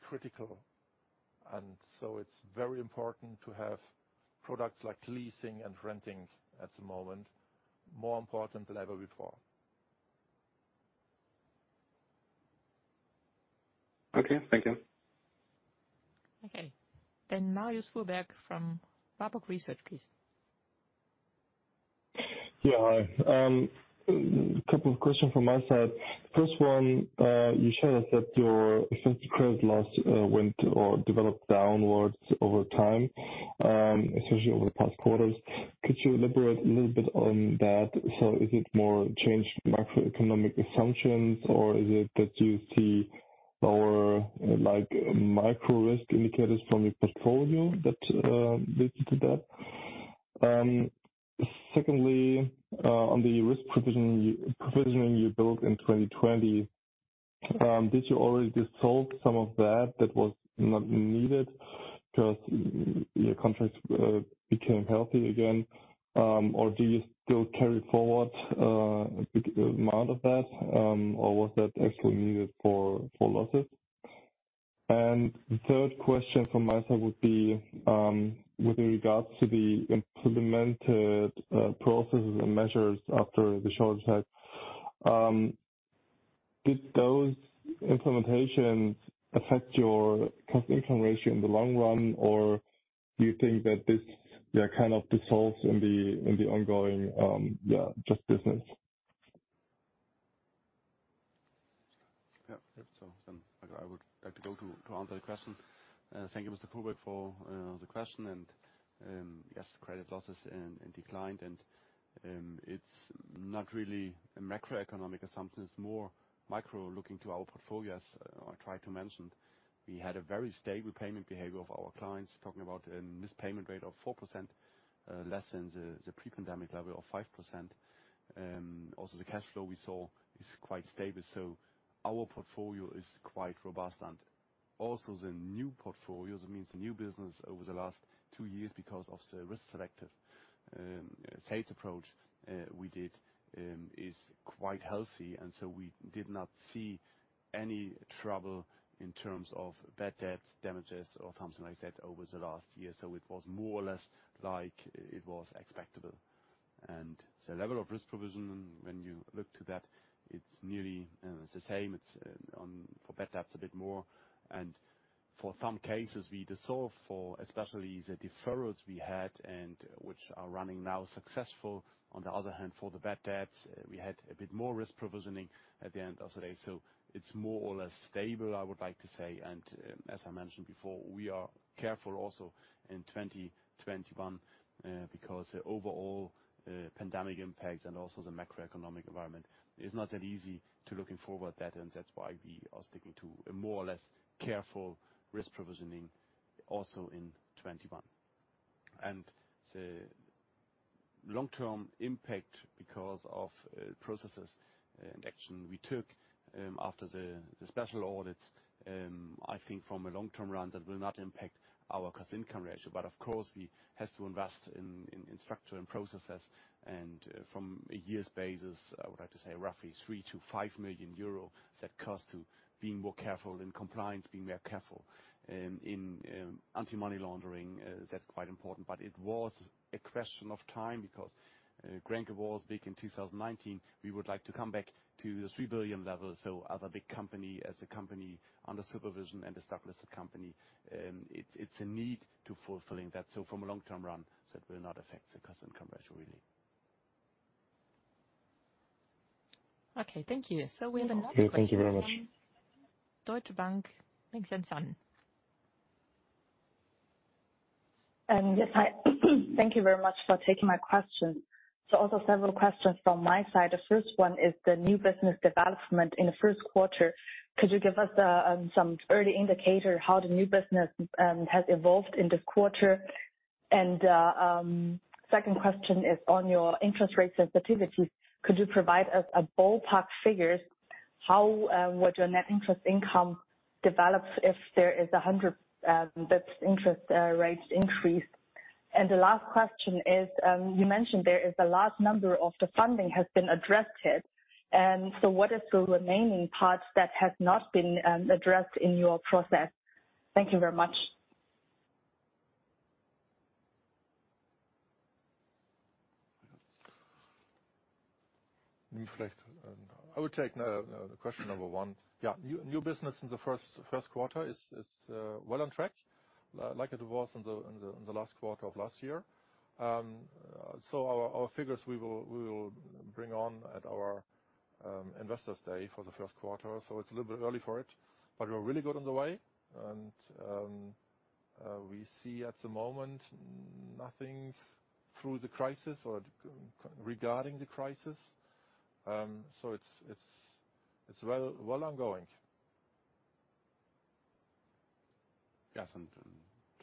Speaker 3: critical. It's very important to have products like leasing and renting at the moment, more important than ever before.
Speaker 6: Okay, thank you.
Speaker 2: Okay. Marius Fuhrberg from Warburg Research, please.
Speaker 7: Yeah. Hi. A couple of questions from my side. First one, you shared that your credit loss went or developed downwards over time, especially over the past quarters. Could you elaborate a little bit on that? So is it more changed macroeconomic assumptions, or is it that you see lower, like, micro risk indicators from your portfolio that lead you to that? Secondly, on the risk provision, provisioning you built in 2020, did you already dissolve some of that that was not needed 'cause your contracts became healthy again? Or do you still carry forward a big amount of that, or was that actually needed for losses? The third question from my side would be, with regards to the implemented processes and measures after the short check, did those implementations affect your cost income ratio in the long run, or do you think that this kind of dissolves in the ongoing just business?
Speaker 4: Yeah. I would like to go to answer the question. Thank you, Mr. Fuhrberg, for the question. Yes, credit losses and declined, it's not really a macroeconomic assumption. It's more micro looking to our portfolios. I tried to mention we had a very stable payment behavior of our clients talking about a mispayment rate of 4%, less than the pre-pandemic level of 5%. Also the cash flow we saw is quite stable, so our portfolio is quite robust. Also the new portfolios, it means the new business over the last two years because of the risk selective sales approach we did is quite healthy. We did not see any trouble in terms of bad debts, damages or something like that over the last year. It was more or less like it was expectable. The level of risk provision, when you look to that, it's nearly the same. It's for bad debts a bit more. For some cases we dissolve for especially the deferrals we had and which are running now successful. On the other hand, for the bad debts, we had a bit more risk provisioning at the end of the day. It's more or less stable, I would like to say. As I mentioned before, we are careful also in 2021 because the overall pandemic impacts and also the macroeconomic environment. It's not that easy to looking forward that and that's why we are sticking to a more or less careful risk provisioning also in 2021. The long-term impact because of processes and action we took after the special audits, I think from a long-term run that will not impact our cost-income ratio. Of course we have to invest in structural and processes and from a year's basis, I would like to say roughly 3 million-5 million euro. That cost to being more careful in compliance, being more careful in anti-money laundering. That's quite important. It was a question of time because Grenke was big in 2019. We would like to come back to the 3 billion level. As a big company, as a company under supervision and a stock listed company, it's a need to fulfilling that. From a long-term run that will not affect the cost-income ratio really.
Speaker 2: Okay, thank you. We have another question.
Speaker 7: Thank you very much.
Speaker 2: Deutsche Bank, Mengxian Sun.
Speaker 8: Yes, hi. Thank you very much for taking my question. Also several questions from my side. The first one is the new business development in the first quarter. Could you give us some early indicator how the new business has evolved in this quarter? Second question is on your interest rate sensitivity. Could you provide us a ballpark figure how your net interest income would develop if there is a 100 basis points interest rate increase? The last question is, you mentioned there is a large number of the funding has been addressed here. What is the remaining parts that have not been addressed in your process? Thank you very much.
Speaker 3: I would take the question number one. Yeah. New business in the first quarter is well on track like it was in the last quarter of last year. Our figures we will bring on at our investors day for the first quarter, so it's a little bit early for it, but we're really good on the way and we see at the moment nothing through the crisis or regarding the crisis. It's well ongoing.
Speaker 4: Yes. In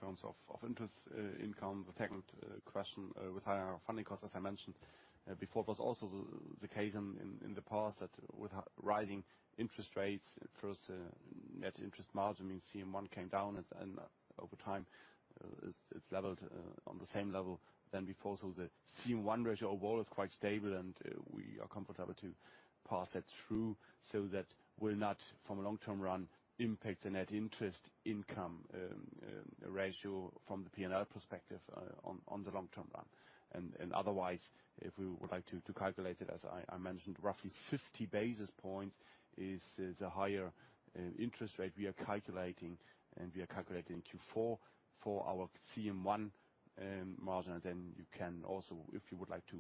Speaker 4: terms of interest income, the second question with higher funding costs, as I mentioned before, it was also the case in the past that with rising interest rates, first net interest margin, I mean CM1 came down and over time it's leveled on the same level than before. The CM1 ratio overall is quite stable and we are comfortable to pass that through. That will not from a long-term run impact the net interest income ratio from the P&L perspective on the long-term run. Otherwise, if we would like to calculate it, as I mentioned, roughly 50 basis points is a higher interest rate we are calculating and we are calculating Q4 for our CM1 margin. You can also, if you would like to,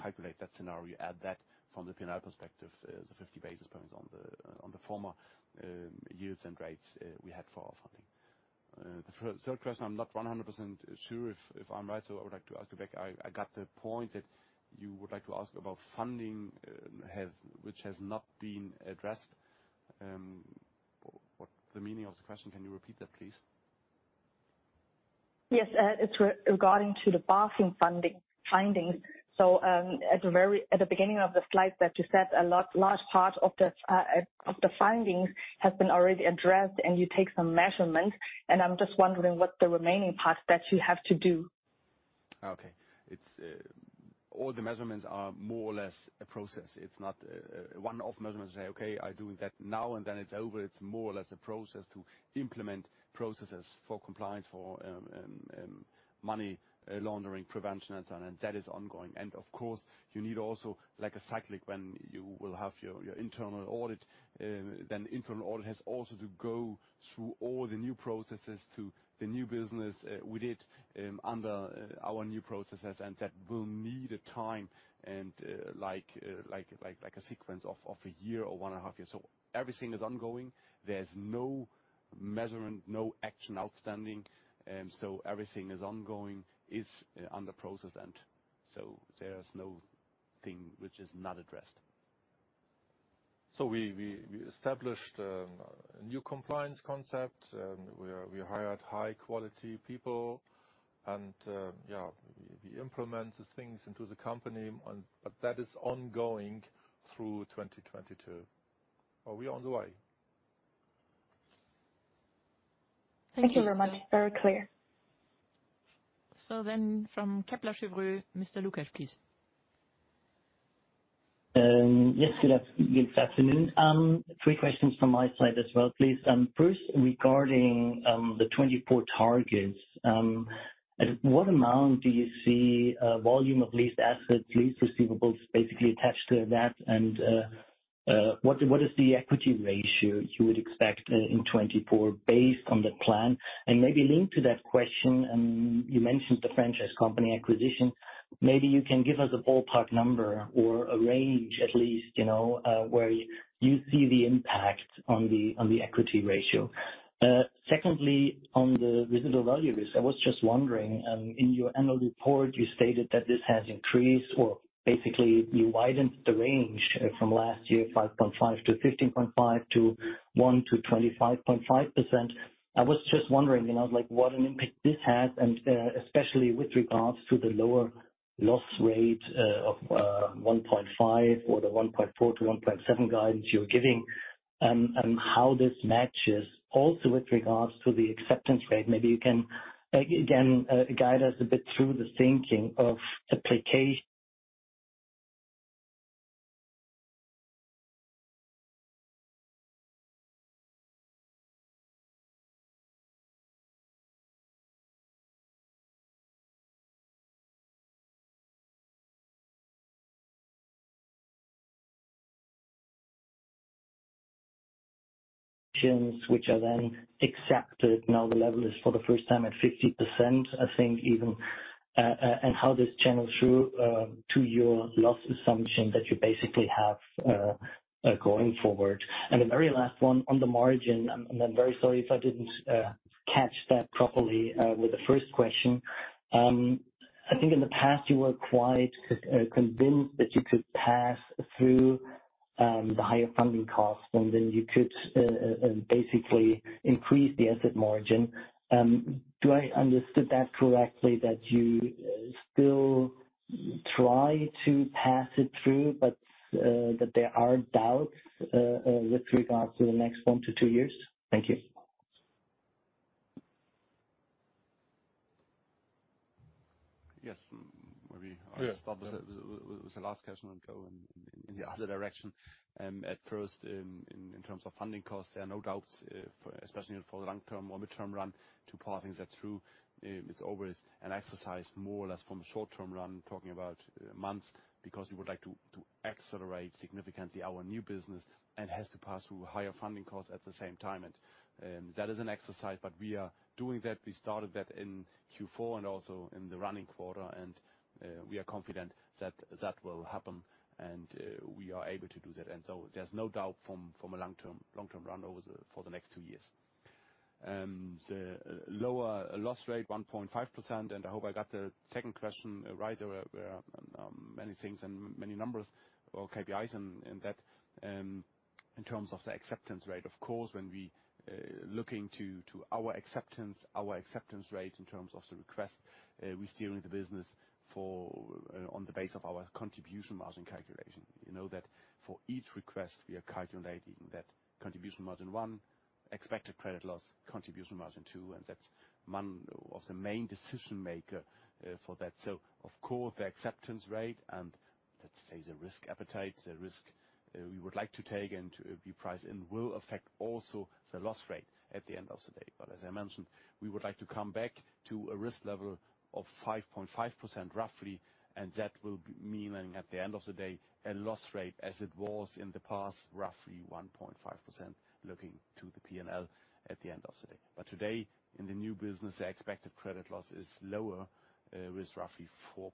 Speaker 4: calculate that scenario, add that from the P&L perspective, the 50 basis points on the former yields and rates we had for our funding. The third question, I'm not 100% sure if I'm right, so I would like to ask you back. I got the point that you would like to ask about funding, which has not been addressed. What the meaning of the question, can you repeat that, please?
Speaker 8: Yes. It's regarding the BaFin findings. At the beginning of the slide that you said large part of the findings has been already addressed and you take some measures and I'm just wondering what the remaining parts that you have to do.
Speaker 4: Okay. It's all the measurements are more or less a process. It's not a one-off measurement to say, "Okay, I do that now and then it's over." It's more or less a process to implement processes for compliance, for money laundering prevention and so on, and that is ongoing. Of course you need also like a cyclic when you will have your internal audit, then internal audit has also to go through all the new processes to the new business we did under our new processes. That will need a time and like a sequence of a year or one and a half years. Everything is ongoing. There's no measurement, no action outstanding. Everything is ongoing, is under process, and so there's no thing which is not addressed. We established a new compliance concept. We hired high quality people and we implement the things into the company and that is ongoing through 2022. Are we on the way?
Speaker 8: Thank you very much. Very clear.
Speaker 2: From Kepler Cheuvreux, Mr. Lukesch please.
Speaker 9: Good afternoon. Three questions from my side as well, please. First, regarding the 2024 targets, at what amount do you see volume of leased assets, lease receivables basically attached to that? What is the equity ratio you would expect in 2024 based on the plan? Maybe linked to that question, you mentioned the franchise company acquisition. Maybe you can give us a ballpark number or a range at least, you know, where you see the impact on the equity ratio. Secondly, on the residual value risk, I was just wondering, in your annual report you stated that this has increased or basically you widened the range from last year, 5.5%-15.5% to 1%-25.5%. I was just wondering, you know, like what an impact this has and, especially with regards to the lower loss rate of 1.5% or the 1.4%-1.7% guidance you're giving, and how this matches also with regards to the acceptance rate. Maybe you can, again, guide us a bit through the thinking of applications which are then accepted. Now the level is for the first time at 50%, I think even, and how this channels through to your loss assumption that you basically have going forward. The very last one on the margin, and I'm very sorry if I didn't catch that properly with the first question. I think in the past you were quite convinced that you could pass through the higher funding costs and then you could basically increase the asset margin. Do I understood that correctly, that you Still try to pass it through, but that there are doubts with regards to the next one to two years? Thank you.
Speaker 4: Yes. Maybe I'll start with the last question and go in the other direction. At first in terms of funding costs, there are no doubts, especially for the long-term or mid-term run to power things through. It's always an exercise more or less from a short-term run, talking about months because we would like to accelerate significantly our new business and has to pass through higher funding costs at the same time. That is an exercise, but we are doing that. We started that in Q4 and also in the running quarter, and we are confident that that will happen, and we are able to do that. There's no doubt from a long-term run over the next two years. The lower loss rate 1.5%, and I hope I got the second question right. There were many things and many numbers or KPIs in that. In terms of the acceptance rate, of course, when we looking to our acceptance rate in terms of the request, we're steering the business for on the basis of our contribution margin calculation. You know that for each request we are calculating that contribution margin one, expected credit loss contribution margin two, and that's one of the main decision-maker for that. Of course, the acceptance rate and let's say the risk appetite, the risk we would like to take and to be priced in will affect also the loss rate at the end of the day. As I mentioned, we would like to come back to a risk level of 5.5% roughly, and that will be meaning at the end of the day, a loss rate as it was in the past, roughly 1.5% looking to the P&L at the end of the day. Today, in the new business, the expected credit loss is lower, with roughly 4.5%.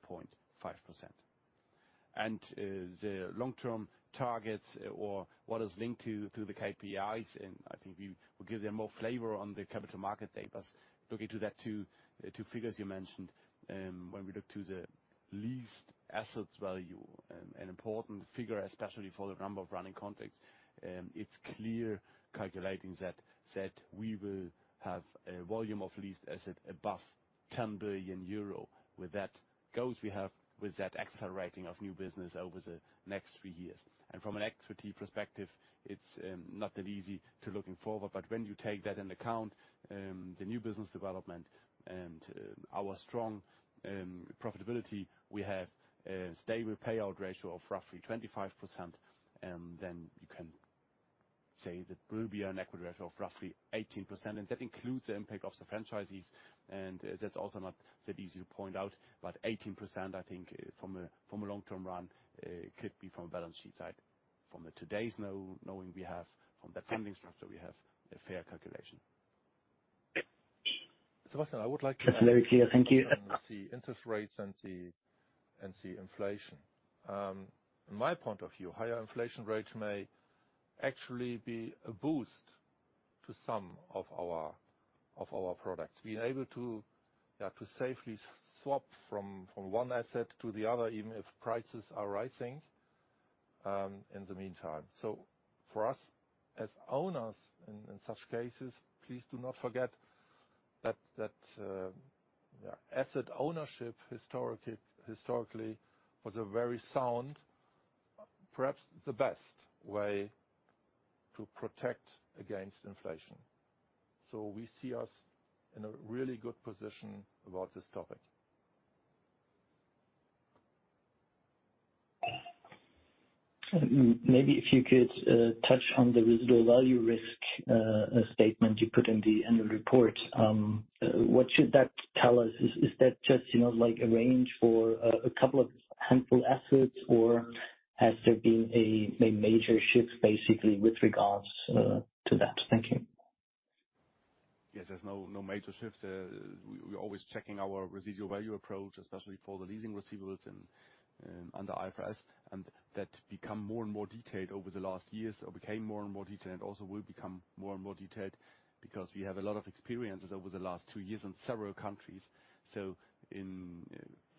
Speaker 4: The long-term targets or what is linked to the KPIs, and I think we will give you more flavor on the capital markets day. Looking to those two figures you mentioned, when we look to the lease assets value, an important figure, especially for the number of running contracts, it's clear calculating that we will have a volume of leased assets above 10 billion euro. With that goals we have with that accelerating of new business over the next three years. From an equity perspective, it's not that easy looking forward. When you take that into account, the new business development and our strong profitability, we have a stable payout ratio of roughly 25%. Then you can say that will be an equity ratio of roughly 18%, and that includes the impact of the franchisees. That's also not that easy to point out, but 18%, I think from a long-term run, could be from a balance sheet side. From today's knowing we have, from that funding structure we have, a fair calculation.
Speaker 3: Sebastian, I would like
Speaker 9: That's very clear. Thank you.
Speaker 3: The interest rates and the inflation. In my point of view, higher inflation rates may actually be a boost to some of our products, being able to safely swap from one asset to the other, even if prices are rising in the meantime. For us as owners in such cases, please do not forget that asset ownership historically was a very sound, perhaps the best way to protect against inflation. We see us in a really good position about this topic.
Speaker 9: Maybe if you could touch on the residual value risk statement you put in the annual report. What should that tell us? Is that just, you know, like a range for a couple of handful assets, or has there been a major shift basically with regards to that? Thank you.
Speaker 4: Yes, there's no major shift. We're always checking our residual value approach, especially for the leasing receivables and under IFRS. That become more and more detailed over the last years or became more and more detailed and also will become more and more detailed because we have a lot of experiences over the last two years in several countries. In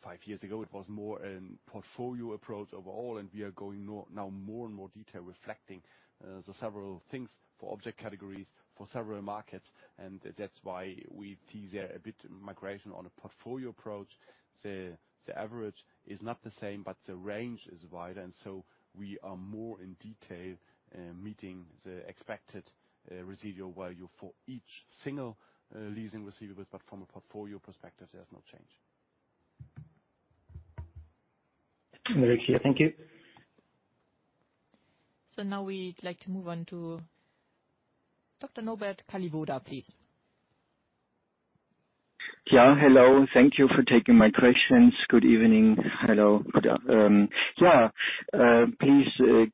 Speaker 4: five years ago, it was more a portfolio approach overall, and we are going now more and more detail reflecting the several things for object categories for several markets. That's why we see there a bit migration on a portfolio approach. The average is not the same, but the range is wider, and so we are more in detail meeting the expected residual value for each single leasing receivable. From a portfolio perspective, there's no change.
Speaker 9: Very clear. Thank you.
Speaker 2: Now we'd like to move on to Dr. Norbert [Kalibuda], please.
Speaker 10: Hello. Thank you for taking my questions. Good evening. Please,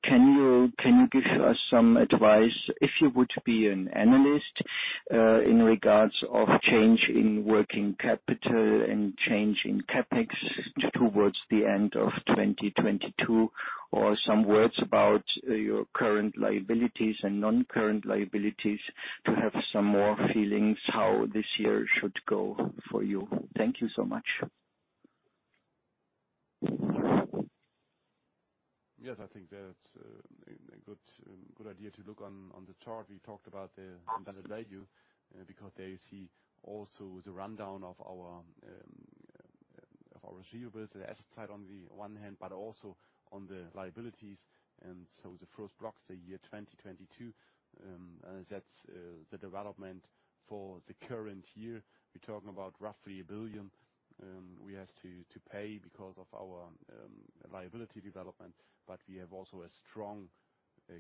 Speaker 10: can you give us some advice if you would be an analyst in regards to change in working capital and change in CapEx towards the end of 2022? Or some words about your current liabilities and non-current liabilities to have some more feelings how this year should go for you. Thank you so much.
Speaker 4: Yes, I think that's a good idea to look on the chart. We talked about the embedded value, because there you see also the rundown of our receivables, the asset side on the one hand, but also on the liabilities. The first block, the year 2022, that's the development for the current year. We're talking about roughly 1 billion we have to pay because of our liability development. We have also a strong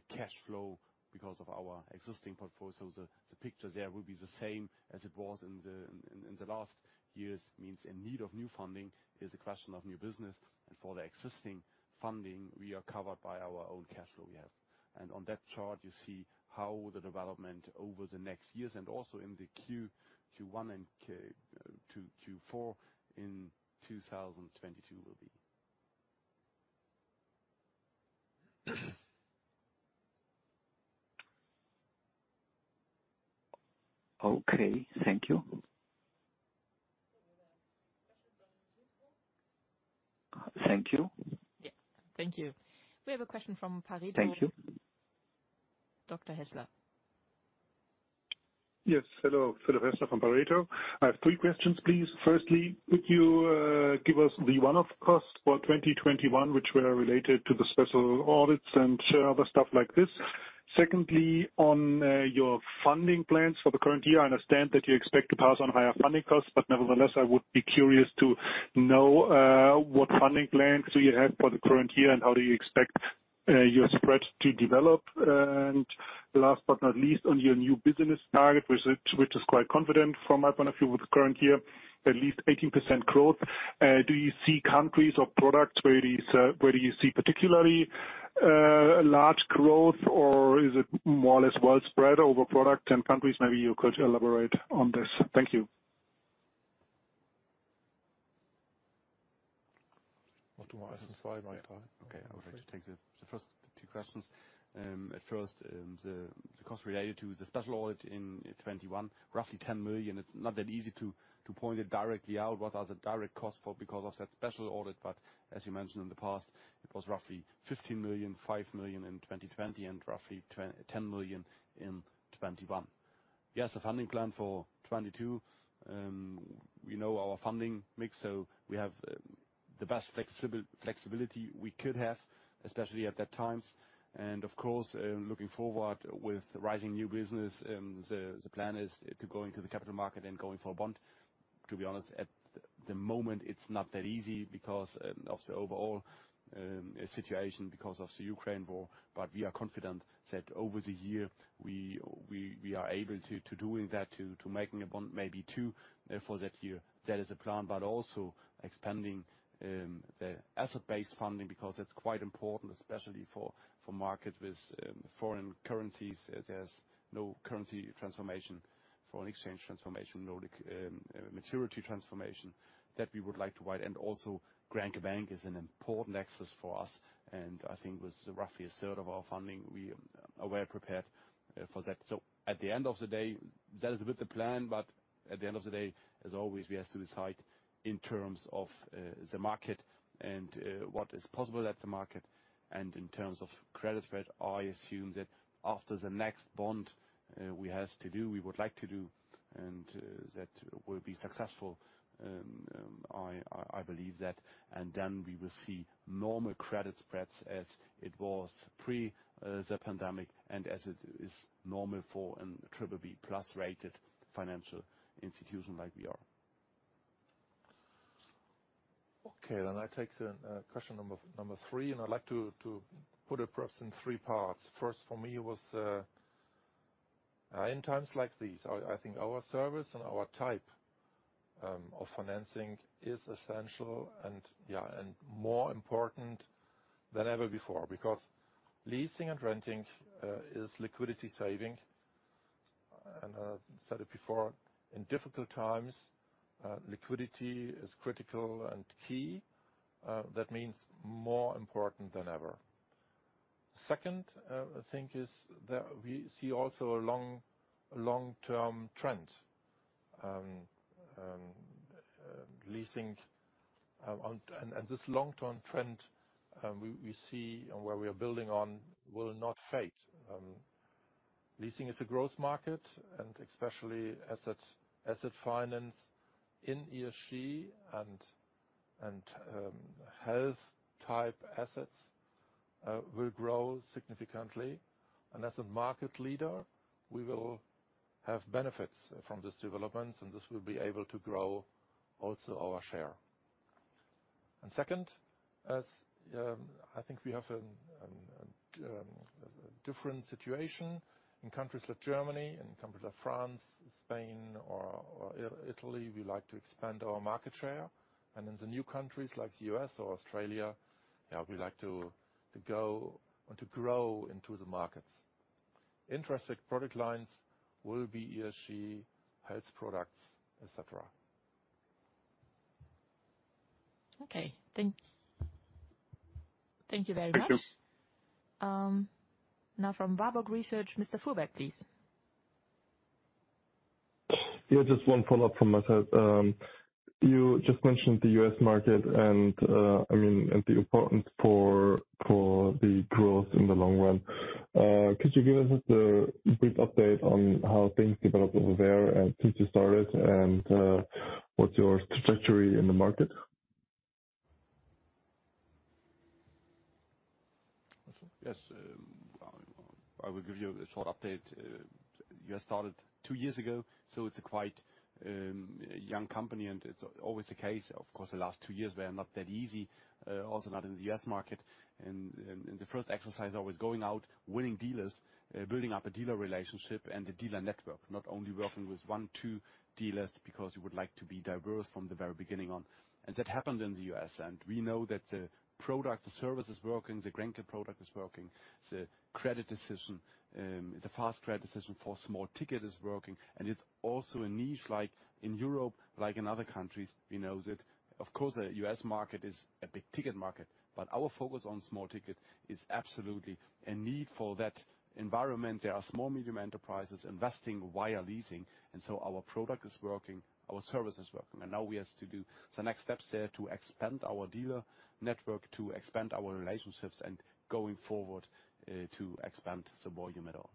Speaker 4: cash flow because of our existing portfolio. The picture there will be the same as it was in the last years. Meaning the need for new funding is a question of new business. For the existing funding, we are covered by our own cash flow we have. On that chart, you see how the development over the next years and also in the Q1 and Q2, Q4 in 2022 will be.
Speaker 10: Okay. Thank you. Thank you.
Speaker 2: Yeah. Thank you. We have a question from Pareto.
Speaker 11: Thank you.
Speaker 2: Dr. Hässler.
Speaker 11: Yes. Hello. Philipp Hässler from Pareto. I have three questions, please. Firstly, could you give us the one-off costs for 2021 which were related to the special audits and other stuff like this? Secondly, on your funding plans for the current year, I understand that you expect to pass on higher funding costs, but nevertheless, I would be curious to know what funding plans do you have for the current year, and how do you expect your spread to develop? Last but not least, on your new business target, which is quite confident from my point of view with the current year, at least 18% growth, do you see countries or products where it is where you see particularly large growth, or is it more or less well-spread over product and countries? Maybe you could elaborate on this. Thank you.
Speaker 4: Okay. I will take the first two questions. At first, the cost related to the special audit in 2021, roughly 10 million. It's not that easy to point it directly out what are the direct costs for because of that special audit. But as you mentioned in the past, it was roughly 15 million, 5 million in 2020 and roughly 10 million in 2021. Yes, the funding plan for 2022, we know our funding mix, so we have the best flexibility we could have, especially at that times. Of course, looking forward with rising new business, the plan is to go into the capital market and going for a bond. To be honest, at the moment it's not that easy because of the overall situation because of the Ukraine war. We are confident that over the year we are able to do that, to make a bond, maybe two for that year. That is the plan. Also expanding the asset-based funding because it's quite important, especially for markets with foreign currencies. There's no currency transformation, no foreign exchange transformation, no maturity transformation that we would like to write. Also, Grenke Bank is an important access for us, and I think with roughly a third of our funding we are well prepared for that. At the end of the day, that is a bit the plan, but at the end of the day, as always, we have to decide in terms of the market and what is possible at the market. In terms of credit spread, I assume that after the next bond we would like to do and that will be successful. I believe that. Then we will see normal credit spreads as it was pre the pandemic and as it is normal for a BBB+ rated financial institution like we are.
Speaker 3: I take the question number three, and I'd like to put it perhaps in three parts. First, for me, in times like these, I think our service and our type of financing is essential and more important than ever before because leasing and renting is liquidity saving. I've said it before, in difficult times, liquidity is critical and key. That means more important than ever. Second, I think is that we see also a long-term trend, leasing and this long-term trend, we see and where we are building on will not fade. Leasing is a growth market and especially asset finance in ESG and health type assets will grow significantly. As a market leader, we will have benefits from these developments and this will be able to grow also our share. Second, as I think we have a different situation in countries like Germany and countries like France, Spain or Italy, we like to expand our market share. In the new countries like the U.S. or Australia, we like to go and to grow into the markets. Interesting product lines will be ESG, health products, et cetera.
Speaker 2: Okay. Thank you very much.
Speaker 11: Thank you.
Speaker 2: Now from Warburg Research, Mr. Fuhrberg, please.
Speaker 7: Yeah, just one follow-up from myself. You just mentioned the U.S. market and, I mean, and the importance for the growth in the long run. Could you give us just a brief update on how things developed over there since you started and, what's your trajectory in the market?
Speaker 4: Yes. I will give you a short update. You had started two years ago, so it's a quite young company, and it's always the case. Of course, the last two years were not that easy, also not in the U.S. market. The first exercise always going out, winning dealers, building up a dealer relationship and the dealer network. Not only working with one, two dealers, because we would like to be diverse from the very beginning on. That happened in the U.S., and we know that the product, the service is working, the Green Economy product is working, the credit decision, the fast credit decision for small ticket is working. It's also a niche like in Europe, like in other countries we know that, of course, the U.S. market is a big ticket market, but our focus on small ticket is absolutely a need for that environment. There are small, medium enterprises investing via leasing, and so our product is working, our service is working, and now we have to do the next steps there to expand our dealer network, to expand our relationships and going forward, to expand the volume at all.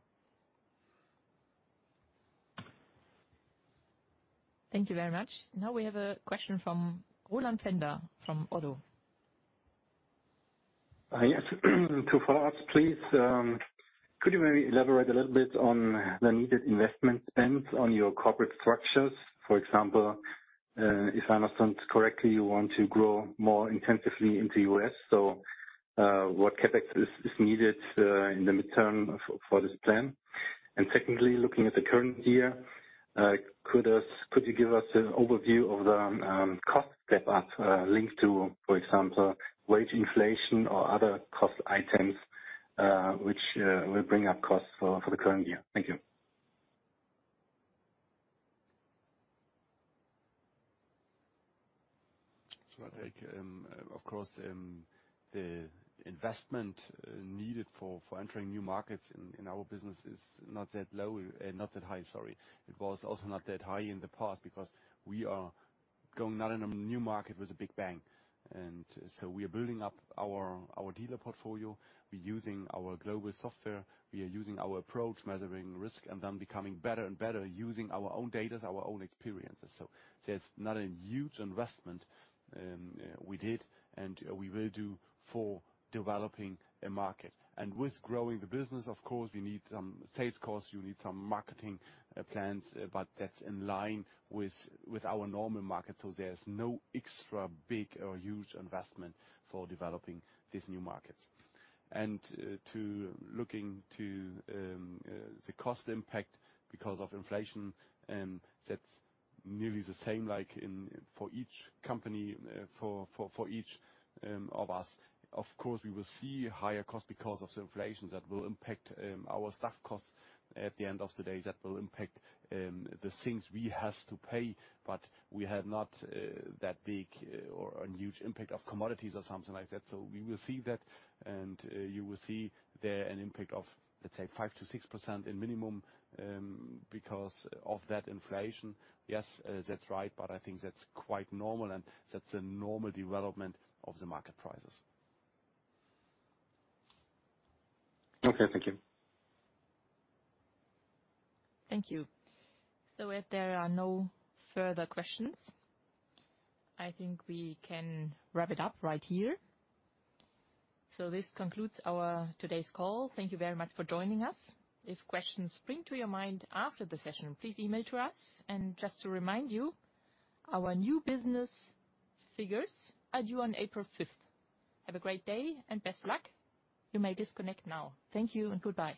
Speaker 2: Thank you very much. Now we have a question from Roland Pfänder from ODDO.
Speaker 6: Yes. Two follow-ups, please. Could you maybe elaborate a little bit on the needed investment spends on your corporate structures? For example, if I understand correctly, you want to grow more intensively in the U.S., so what CapEx is needed in the midterm for this plan. Secondly, looking at the current year, could you give us an overview of the cost step-ups linked to, for example, wage inflation or other cost items, which will bring up costs for the current year? Thank you.
Speaker 4: Of course, the investment needed for entering new markets in our business is not that low, not that high, sorry. It was also not that high in the past because we are going out in a new market with a big bang. We are building up our dealer portfolio. We're using our global software. We are using our approach, measuring risk and then becoming better and better using our own data, our own experiences. There's not a huge investment we did and we will do for developing a market. With growing the business, of course, we need some sales costs. You need some marketing plans, but that's in line with our normal market. There's no extra big or huge investment for developing these new markets. Looking to the cost impact because of inflation, that's nearly the same, like for each company, for each of us. Of course, we will see higher costs because of the inflation that will impact our staff costs at the end of the day. That will impact the things we have to pay, but we have not that big or huge impact of commodities or something like that. We will see that, and you will see there an impact of, let's say 5%-6% at minimum, because of that inflation. Yes, that's right. I think that's quite normal, and that's a normal development of the market prices.
Speaker 6: Okay. Thank you.
Speaker 2: Thank you. If there are no further questions, I think we can wrap it up right here. This concludes our today's call. Thank you very much for joining us. If questions spring to your mind after the session, please email to us. Just to remind you, our new business figures are due on April fifth. Have a great day and best of luck. You may disconnect now. Thank you and goodbye.